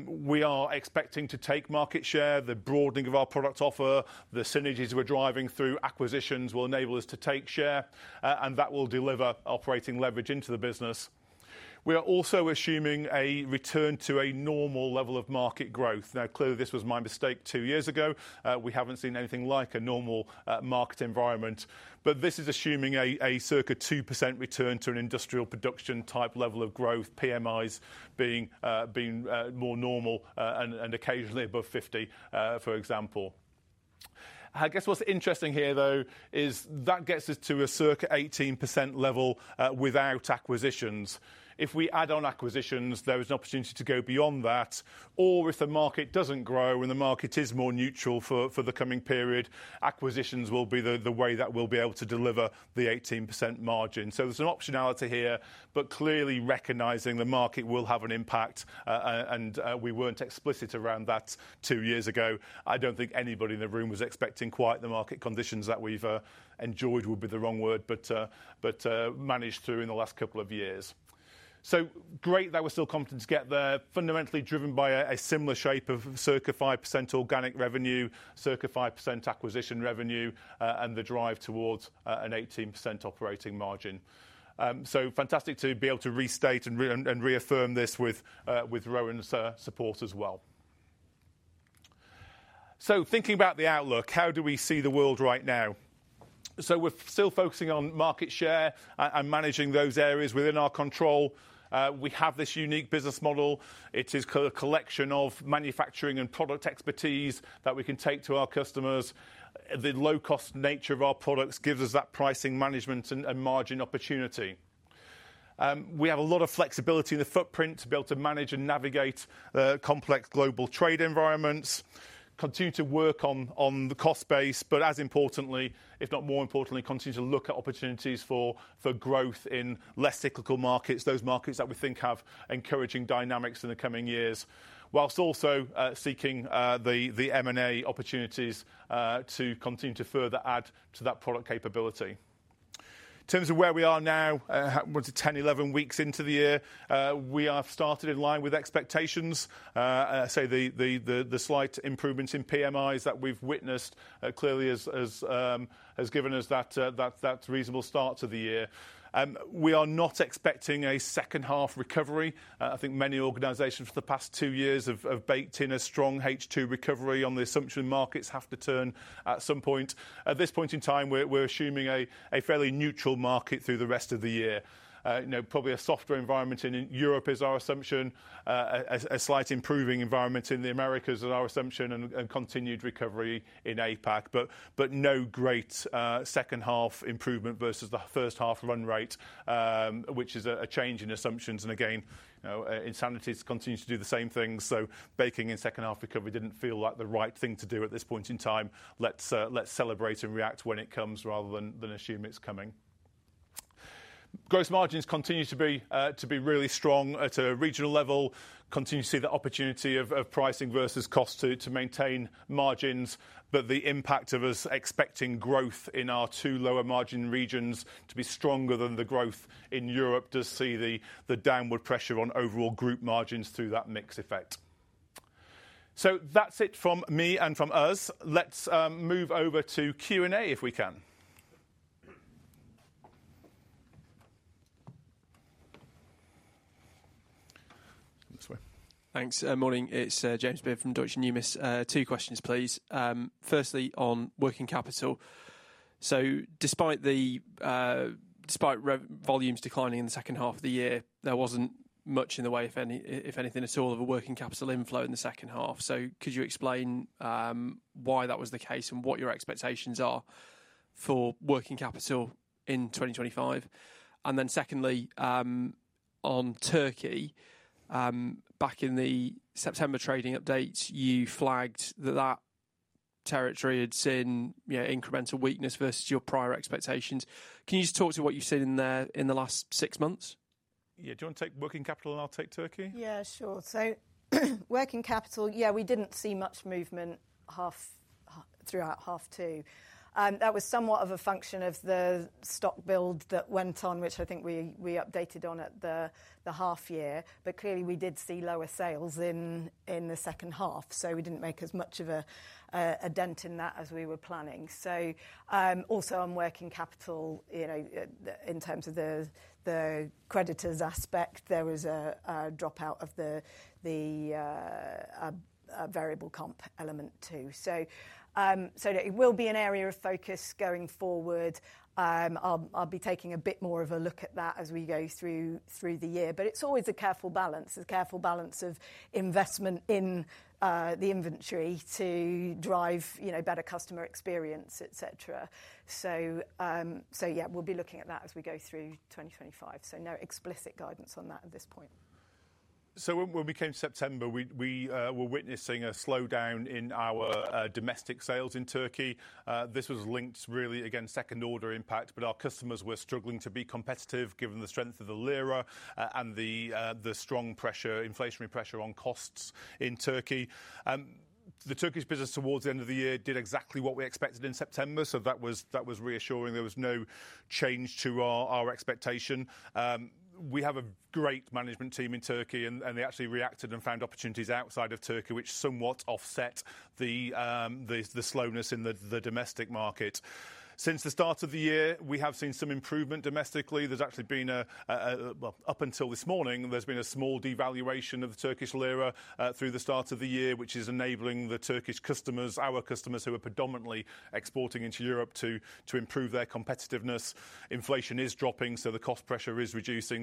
We are expecting to take market share. The broadening of our product offer, the synergies we are driving through acquisitions will enable us to take share, and that will deliver operating leverage into the business. We are also assuming a return to a normal level of market growth. Now, clearly this was my mistake two years ago. We have not seen anything like a normal market environment, but this is assuming a circa 2% return to an industrial production type level of growth, PMIs being more normal, and occasionally above 50%, for example. I guess what is interesting here though is that gets us to a circa 18% level, without acquisitions. If we add on acquisitions, there is an opportunity to go beyond that. If the market does not grow and the market is more neutral for the coming period, acquisitions will be the way that we will be able to deliver the 18% margin. There is an optionality here, but clearly recognizing the market will have an impact, and we were not explicit around that two years ago. I don't think anybody in the room was expecting quite the market conditions that we've, enjoyed would be the wrong word, but managed through in the last couple of years. Great that we're still confident to get there, fundamentally driven by a similar shape of circa 5% organic revenue, circa 5% acquisition revenue, and the drive towards an 18% operating margin. Fantastic to be able to restate and reaffirm this with Rowan's support as well. Thinking about the outlook, how do we see the world right now? We're still focusing on market share and managing those areas within our control. We have this unique business model. It is a collection of manufacturing and product expertise that we can take to our customers. The low-cost nature of our products gives us that pricing management and margin opportunity. We have a lot of flexibility in the footprint to be able to manage and navigate complex global trade environments, continue to work on the cost base, but as importantly, if not more importantly, continue to look at opportunities for growth in less cyclical markets, those markets that we think have encouraging dynamics in the coming years, whilst also seeking the M&A opportunities to continue to further add to that product capability. In terms of where we are now, 10-11 weeks into the year, we are started in line with expectations. I say the slight improvements in PMIs that we've witnessed clearly has given us that, that's a reasonable start to the year. We are not expecting a second-half recovery. I think many organizations for the past two years have baked in a strong H2 recovery on the assumption markets have to turn at some point. At this point in time, we're assuming a fairly neutral market through the rest of the year. You know, probably a softer environment in Europe is our assumption, a slight improving environment in the Americas is our assumption, and continued recovery in APAC, but no great second-half improvement versus the first half run rate, which is a change in assumptions. Again, you know, insanities continue to do the same thing. So baking in second half recovery did not feel like the right thing to do at this point in time. Let's celebrate and react when it comes rather than assume it's coming. Gross margins continue to be, to be really strong at a regional level, continue to see the opportunity of pricing versus cost to, to maintain margins, but the impact of us expecting growth in our two lower margin regions to be stronger than the growth in Europe does see the, the downward pressure on overall group margins through that mix effect. That's it from me and from us. Let's move over to Q&A if we can. This way. Thanks. Morning. It's James Beard from Deutsche Numis. Two questions, please. Firstly on working capital. So despite the, despite volumes declining in the second half of the year, there wasn't much in the way of any, if anything at all, of a working capital inflow in the second half. Could you explain why that was the case and what your expectations are for working capital in 2025? Then secondly, on Turkey, back in the September trading updates, you flagged that that territory had seen, you know, incremental weakness versus your prior expectations. Can you just talk to what you've seen in there in the last six months? Yeah. Do you want to take working capital, and I'll take Turkey? Yeah, sure. So working capital, yeah, we didn't see much movement throughout half two. That was somewhat of a function of the stock build that went on, which I think we updated on at the half year, but clearly we did see lower sales in the second half. We didn't make as much of a dent in that as we were planning. Also on working capital, you know, in terms of the creditors aspect, there was a dropout of the variable comp element too. It will be an area of focus going forward. I'll be taking a bit more of a look at that as we go through the year, but it's always a careful balance, a careful balance of investment in the inventory to drive, you know, better customer experience, et cetera. Yeah, we'll be looking at that as we go through 2025. No explicit guidance on that at this point. When we came September, we were witnessing a slowdown in our domestic sales in Turkey. This was linked really against second-order impact, but our customers were struggling to be competitive given the strength of the lira, and the strong pressure, inflationary pressure on costs in Turkey. The Turkish business towards the end of the year did exactly what we expected in September. That was reassuring. There was no change to our expectation. We have a great management team in Turkey and they actually reacted and found opportunities outside of Turkey, which somewhat offset the slowness in the domestic market. Since the start of the year, we have seen some improvement domestically. There has actually been a, well, up until this morning, there has been a small devaluation of the Turkish lira through the start of the year, which is enabling the Turkish customers, our customers who are predominantly exporting into Europe, to improve their competitiveness. Inflation is dropping, so the cost pressure is reducing.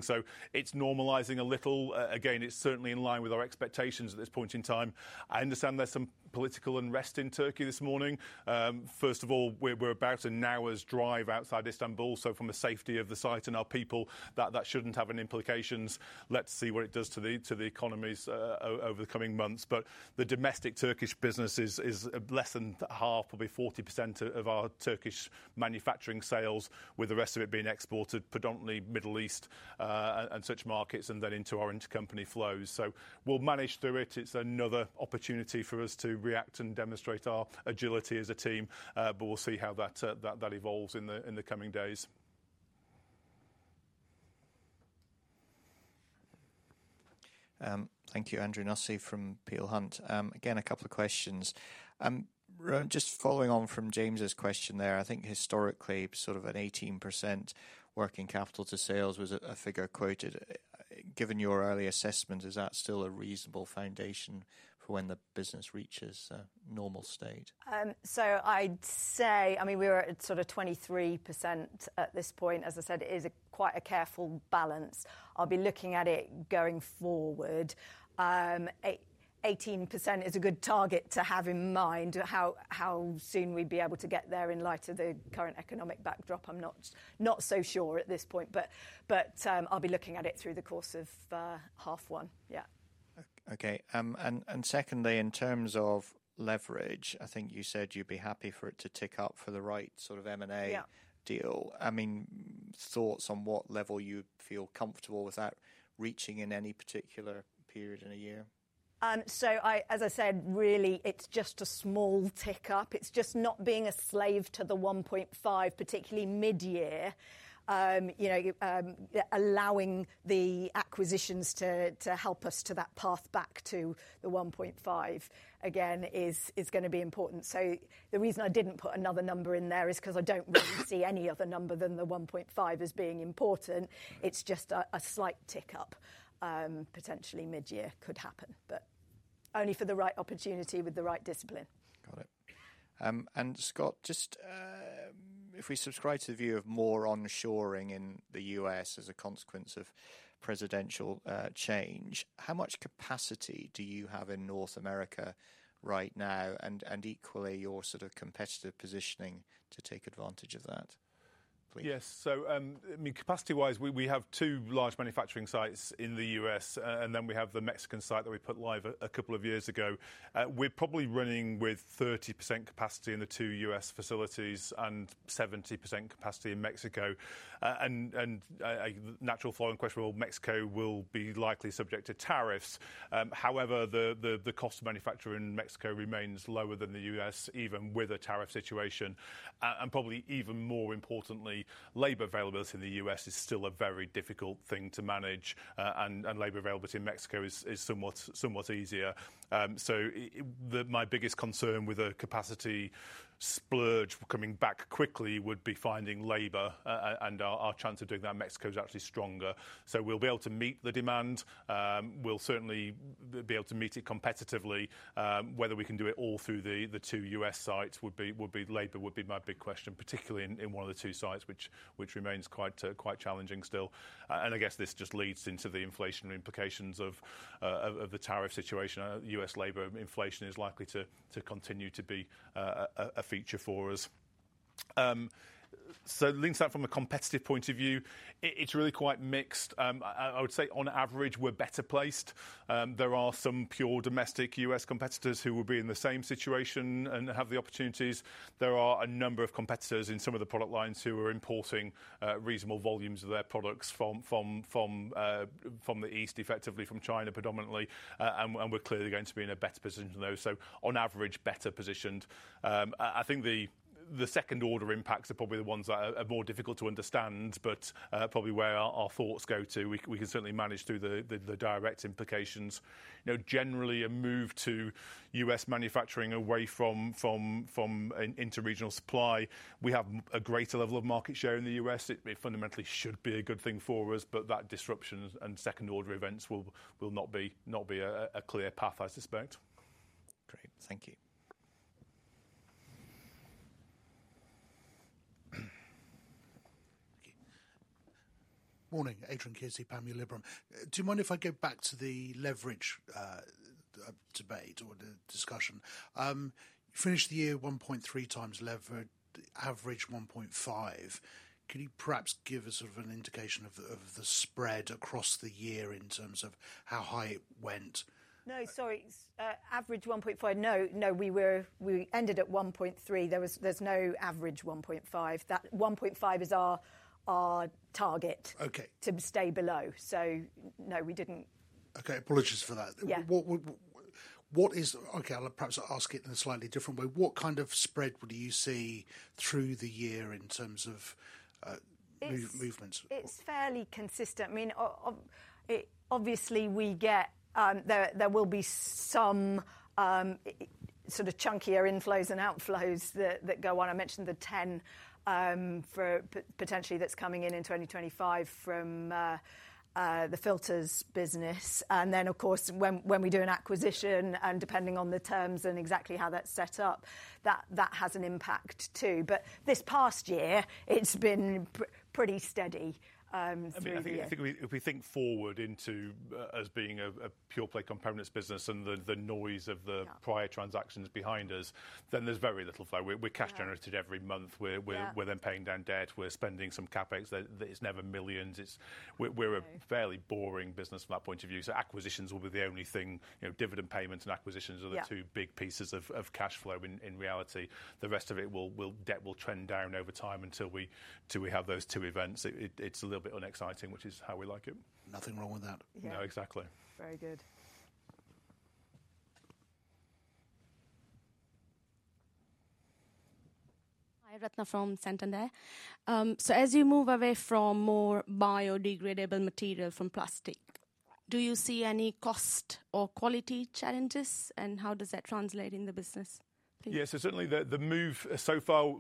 It is normalizing a little. Again, it is certainly in line with our expectations at this point in time. I understand there is some political unrest in Turkey this morning. First of all, we are about an hour's drive outside Istanbul. From the safety of the site and our people, that shouldn't have any implications. Let's see what it does to the economies over the coming months. The domestic Turkish business is less than half, probably 40% of our Turkish manufacturing sales, with the rest of it being exported predominantly to Middle East and such markets and then into our intercompany flows. We'll manage through it. It's another opportunity for us to react and demonstrate our agility as a team. We'll see how that evolves in the coming days. Thank you, Andrew Nussey from Peel Hunt. Again, a couple of questions. Just following on from James's question there, I think historically sort of an 18% working capital to sales was a figure quoted. Given your early assessment, is that still a reasonable foundation for when the business reaches a normal state? I'd say, I mean, we were at sort of 23% at this point. As I said, it is quite a careful balance. I'll be looking at it going forward. 18% is a good target to have in mind. How soon we'd be able to get there in light of the current economic backdrop, I'm not so sure at this point, but I'll be looking at it through the course of half one. Yeah. Okay. Secondly, in terms of leverage, I think you said you'd be happy for it to tick up for the right sort of M&A deal. I mean, thoughts on what level you feel comfortable with that reaching in any particular period in a year? I, as I said, really it's just a small tick up. It's just not being a slave to the 1.5, particularly mid-year. You know, allowing the acquisitions to help us to that path back to the 1.5 again is gonna be important. The reason I didn't put another number in there is 'cause I don't really see any other number than the 1.5 as being important. It's just a slight tick up, potentially mid-year could happen, but only for the right opportunity with the right discipline. Got it. Scott, just, if we subscribe to the view of more onshoring in the U.S. as a consequence of presidential change, how much capacity do you have in North America right now? Equally, your sort of competitive positioning to take advantage of that, please. Yes. I mean, capacity wise, we have two large manufacturing sites in the U.S., and then we have the Mexican site that we put live a couple of years ago. We're probably running with 30% capacity in the two U.S. facilities and 70% capacity in Mexico. I think a natural following question will be whether Mexico will be likely subject to tariffs. However, the cost of manufacturing in Mexico remains lower than the U.S., even with a tariff situation. Probably even more importantly, labor availability in the U.S. is still a very difficult thing to manage, and labor availability in Mexico is somewhat easier. My biggest concern with a capacity splurge coming back quickly would be finding labor, and our chance of doing that in Mexico is actually stronger. We'll be able to meet the demand. We'll certainly be able to meet it competitively. Whether we can do it all through the two U.S. sites would be, would be labor would be my big question, particularly in one of the two sites, which remains quite, quite challenging still. I guess this just leads into the inflationary implications of the tariff situation of U.S. labor inflation is likely to continue to be a feature for us. Links that from a competitive point of view, it's really quite mixed. I would say on average we're better placed. There are some pure domestic U.S. competitors who will be in the same situation and have the opportunities. There are a number of competitors in some of the product lines who are importing reasonable volumes of their products from the east, effectively from China predominantly. We are clearly going to be in a better position than those. On average, better positioned. I think the second-order impacts are probably the ones that are more difficult to understand, but probably where our thoughts go to. We can certainly manage through the direct implications. You know, generally a move to U.S. manufacturing away from interregional supply. We have a greater level of market share in the U.S.. It fundamentally should be a good thing for us, but that disruption and second-order events will not be a clear path, I suspect. Great. Thank you. Morning, Adrian from Panmure Liberum. Do you mind if I go back to the leverage debate or the discussion? Finish the year 1.3× leverage, average 1.5. Can you perhaps give us sort of an indication of the spread across the year in terms of how high it went? No, sorry. Average 1.5. No, no, we were, we ended at 1.3. There was, there's no average 1.5. That 1.5 is our target. Okay. To stay below. So no, we didn't. Okay. Apologies for that. Yeah. What is, okay, I'll perhaps ask it in a slightly different way. What kind of spread would you see through the year in terms of movements? It's fairly consistent. I mean, it obviously we get, there will be some sort of chunkier inflows and outflows that go on. I mentioned the 10, for potentially that's coming in in 2025 from the filters business. Of course, when we do an acquisition and depending on the terms and exactly how that is set up, that has an impact too. This past year it has been pretty steady for the year. I mean, I think if we think forward into being a pure play components business and the noise of the prior transactions behind us, then there is very little flow. We cash generated every month. We are then paying down debt. We are spending some CapEx that is never millions. We are a fairly boring business from that point of view. Acquisitions will be the only thing, you know, dividend payments and acquisitions are the two big pieces of cash flow in reality. The rest of it will, debt will trend down over time until we have those two events. It, it's a little bit unexciting, which is how we like it. Nothing wrong with that. No, exactly. Very good. Hi, Ratna from Santander. As you move away from more biodegradable material from plastic, do you see any cost or quality challenges and how does that translate in the business? Yeah, certainly the move so far,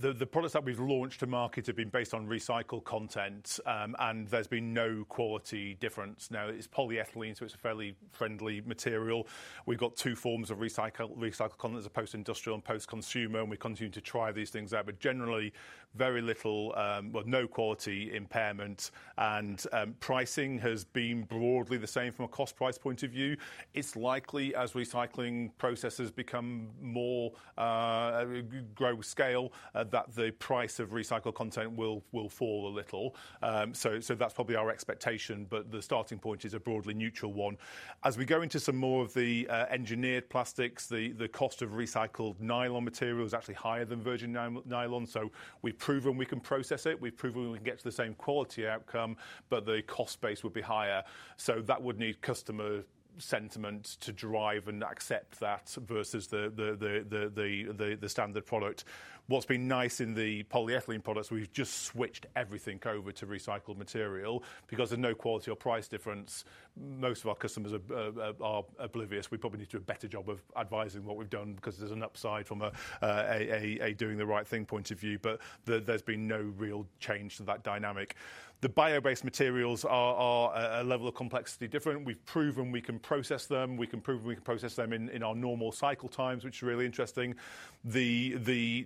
the products that we've launched to market have been based on recycled contents, and there's been no quality difference. Now it's polyethylene, so it's a fairly friendly material. We've got two forms of recycled, recycled content as a post-industrial and post-consumer, and we continue to try these things out, but generally very little, no quality impairments. Pricing has been broadly the same from a cost price point of view. It's likely as recycling processes become more, grow scale, that the price of recycled content will fall a little. That's probably our expectation, but the starting point is a broadly neutral one. As we go into some more of the engineered plastics, the cost of recycled nylon material is actually higher than virgin nylon. We've proven we can process it. We've proven we can get to the same quality outcome, but the cost base would be higher. That would need customer sentiment to drive and accept that versus the standard product. What's been nice in the polyethylene products, we've just switched everything over to recycled material because of no quality or price difference. Most of our customers are oblivious. We probably need to do a better job of advising what we've done because there's an upside from a doing-the-right-thing point of view, but there's been no real change to that dynamic. The bio-based materials are a level of complexity different. We've proven we can process them. We can prove we can process them in our normal cycle times, which is really interesting. The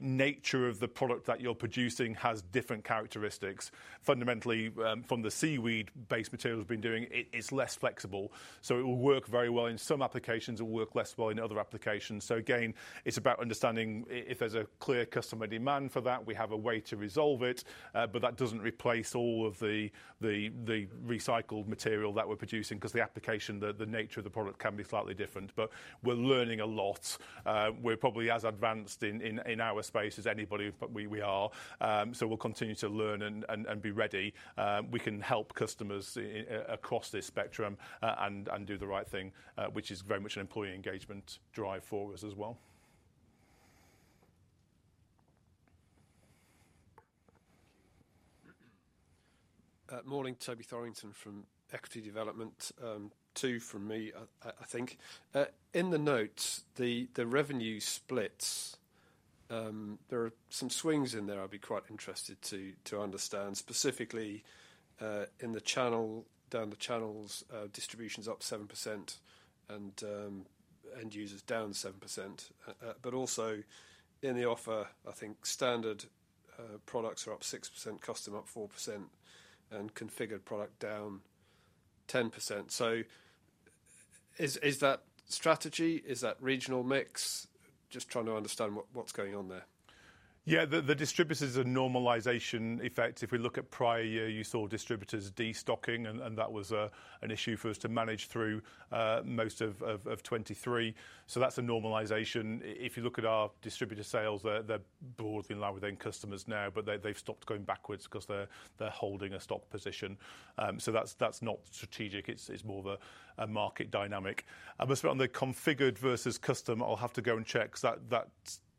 nature of the product that you're producing has different characteristics. Fundamentally, from the seaweed-based materials we've been doing, it's less flexible. It will work very well in some applications and work less well in other applications. Again, it's about understanding if there's a clear customer demand for that so we have a way to resolve it. That doesn't replace all of the recycled material that we're producing because the application, the nature of the product can be slightly different. We're learning a lot. We're probably as advanced in our space as anybody, but we are. We will continue to learn and be ready. We can help customers across this spectrum and do the right thing, which is very much an employee engagement drive for us as well. Morning, Toby Thorrington from Equity Development. Two from me. I think in the notes, the revenue splits, there are some swings in there. I'd be quite interested to understand specifically, in the channel, down the channels, distributions up 7% and end users down 7%. Also in the offer, I think standard products are up 6%, custom up 4%, and configured product down 10%. Is that strategy, is that regional mix? Just trying to understand what is going on there. Yeah, the distributors are a normalization effect. If we look at prior year, you saw distributors destocking and that was an issue for us to manage through most of 2023. That is a normalization. If you look at our distributor sales, they are broadly in line with end customers now, but they have stopped going backwards because they are holding a stock position. That is not strategic. It is more of a market dynamic. On the configured versus custom, I will have to go and check because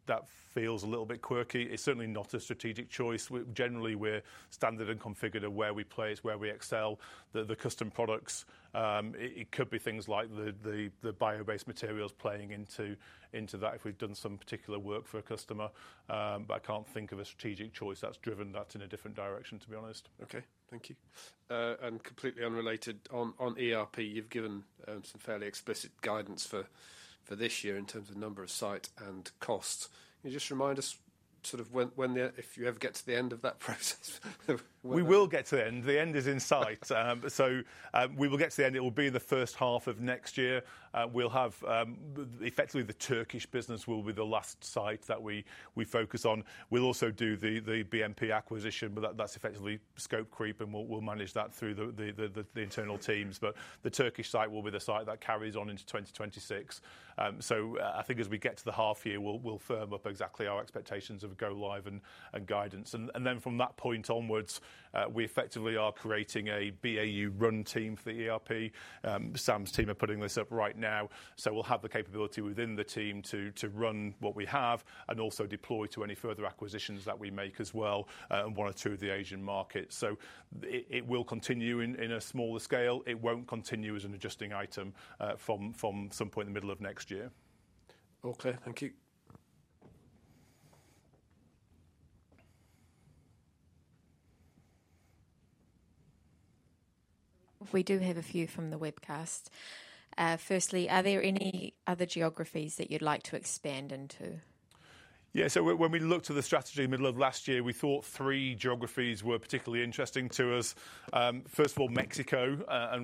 that feels a little bit quirky. It is certainly not a strategic choice. We generally are standard and configured where we play, it is where we excel. The custom products, it could be things like the bio-based materials playing into that if we've done some particular work for a customer. I can't think of a strategic choice that's driven that in a different direction, to be honest. Okay. Thank you. Completely unrelated on ERP, you've given some fairly explicit guidance for this year in terms of number of site and costs. Can you just remind us sort of when, when the, if you ever get to the end of that process? We will get to the end. The end is in sight. We will get to the end. It will be the first half of next year. We'll have, effectively the Turkish business will be the last site that we focus on. We'll also do the BMP acquisition, but that's effectively scope creep and we'll manage that through the internal teams. The Turkish site will be the site that carries on into 2026. I think as we get to the half year, we'll firm up exactly our expectations of go live and guidance. From that point onwards, we effectively are creating a BAU run team for the ERP. Sam's team are putting this up right now. We'll have the capability within the team to run what we have and also deploy to any further acquisitions that we make as well, and one or two of the Asian markets. It will continue in a smaller scale. It won't continue as an adjusting item from some point in the middle of next year. Okay. Thank you. We do have a few from the webcast. Firstly, are there any other geographies that you'd like to expand into? Yeah. When we looked at the strategy in the middle of last year, we thought three geographies were particularly interesting to us. First of all, Mexico.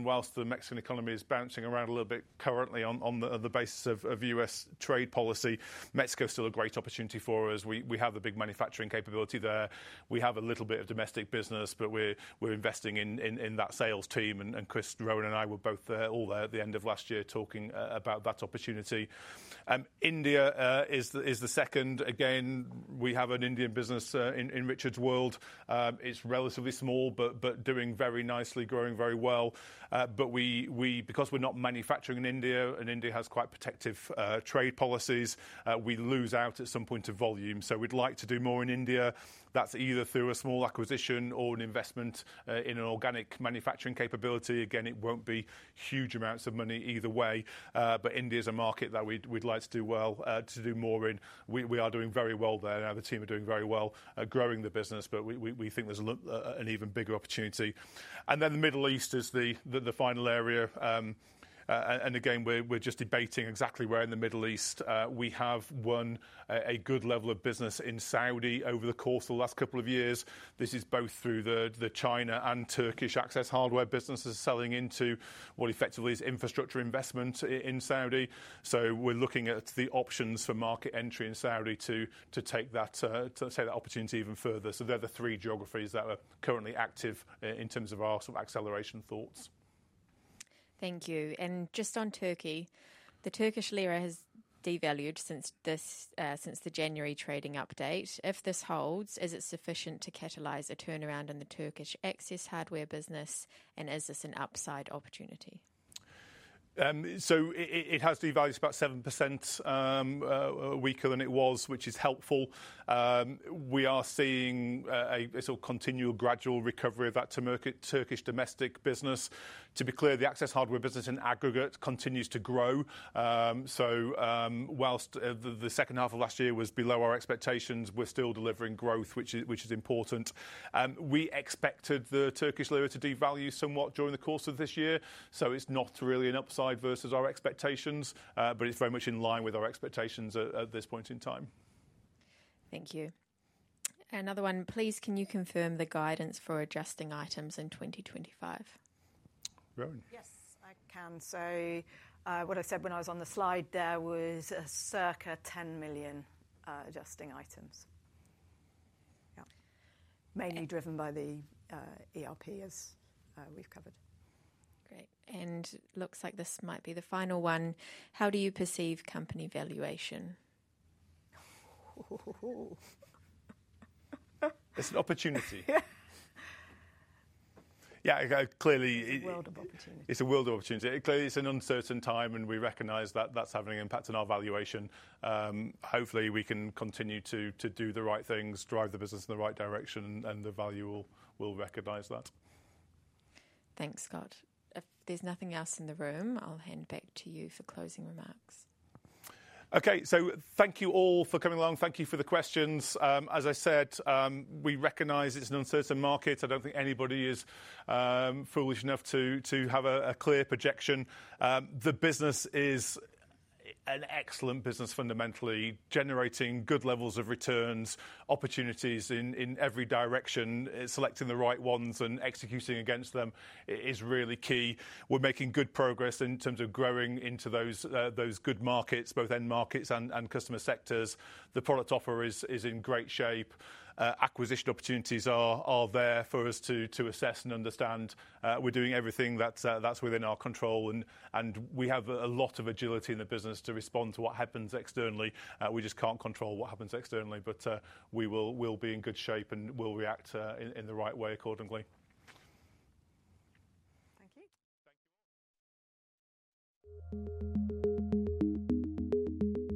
Whilst the Mexican economy is bouncing around a little bit currently on the basis of U.S. trade policy, Mexico is still a great opportunity for us. We have the big manufacturing capability there. We have a little bit of domestic business, but we're investing in that sales team. Chris, Rowan, and I were all there at the end of last year talking about that opportunity. India is the second. Again, we have an Indian business, in Richard's World. It's relatively small, but doing very nicely, growing very well. We, because we're not manufacturing in India and India has quite protective trade policies, we lose out at some point to volume. We'd like to do more in India. That's either through a small acquisition or an investment in an organic manufacturing capability. Again, it won't be huge amounts of money either way. India's a market that we'd like to do more in. We are doing very well there. The team are doing very well, growing the business. We think there's a look, an even bigger opportunity. The Middle East is the final area. Again, we're just debating exactly where in the Middle East. We have won a good level of business in Saudi over the course of the last couple of years. This is both through the China and Turkish access hardware businesses selling into what effectively is infrastructure investment in Saudi. We are looking at the options for market entry in Saudi to take that opportunity even further. They are the three geographies that are currently active in terms of our sort of acceleration thoughts. Thank you. Just on Turkey, the Turkish lira has devalued since the January trading update. If this holds, is it sufficient to catalyze a turnaround in the Turkish access hardware business and is this an upside opportunity? It has devalued about 7%, weaker than it was, which is helpful. We are seeing a sort of continual gradual recovery of that Turkish domestic business. To be clear, the access hardware business in aggregate continues to grow. Whilst the second half of last year was below our expectations, we're still delivering growth, which is important. We expected the Turkish lira to devalue somewhat during the course of this year. It's not really an upside versus our expectations, but it's very much in line with our expectations at this point in time. Thank you. Another one, please. Can you confirm the guidance for adjusting items in 2025? Rowan. Yes, I can. What I said when I was on the slide there was a circa 10 million adjusting items. Mainly driven by the ERP as we've covered. Great. It looks like this might be the final one. How do you perceive company valuation? It's an opportunity. Yeah. Yeah. Clearly. It's a world of opportunity. It's a world of opportunity. Clearly, it's an uncertain time and we recognize that that's having an impact on our valuation. Hopefully, we can continue to do the right things, drive the business in the right direction, and the value will recognize that. Thanks, Scott. If there's nothing else in the room, I'll hand back to you for closing remarks. Okay. Thank you all for coming along. Thank you for the questions. As I said, we recognize it's an uncertain market. I don't think anybody is foolish enough to have a clear projection. The business is an excellent business fundamentally, generating good levels of returns, opportunities in every direction. Selecting the right ones and executing against them is really key. We're making good progress in terms of growing into those good markets, both end markets and customer sectors. The product offer is in great shape. Acquisition opportunities are there for us to assess and understand. We're doing everything that's within our control and we have a lot of agility in the business to respond to what happens externally. We just can't control what happens externally, but we will be in good shape and we'll react in the right way accordingly. Thank you. Thank you all.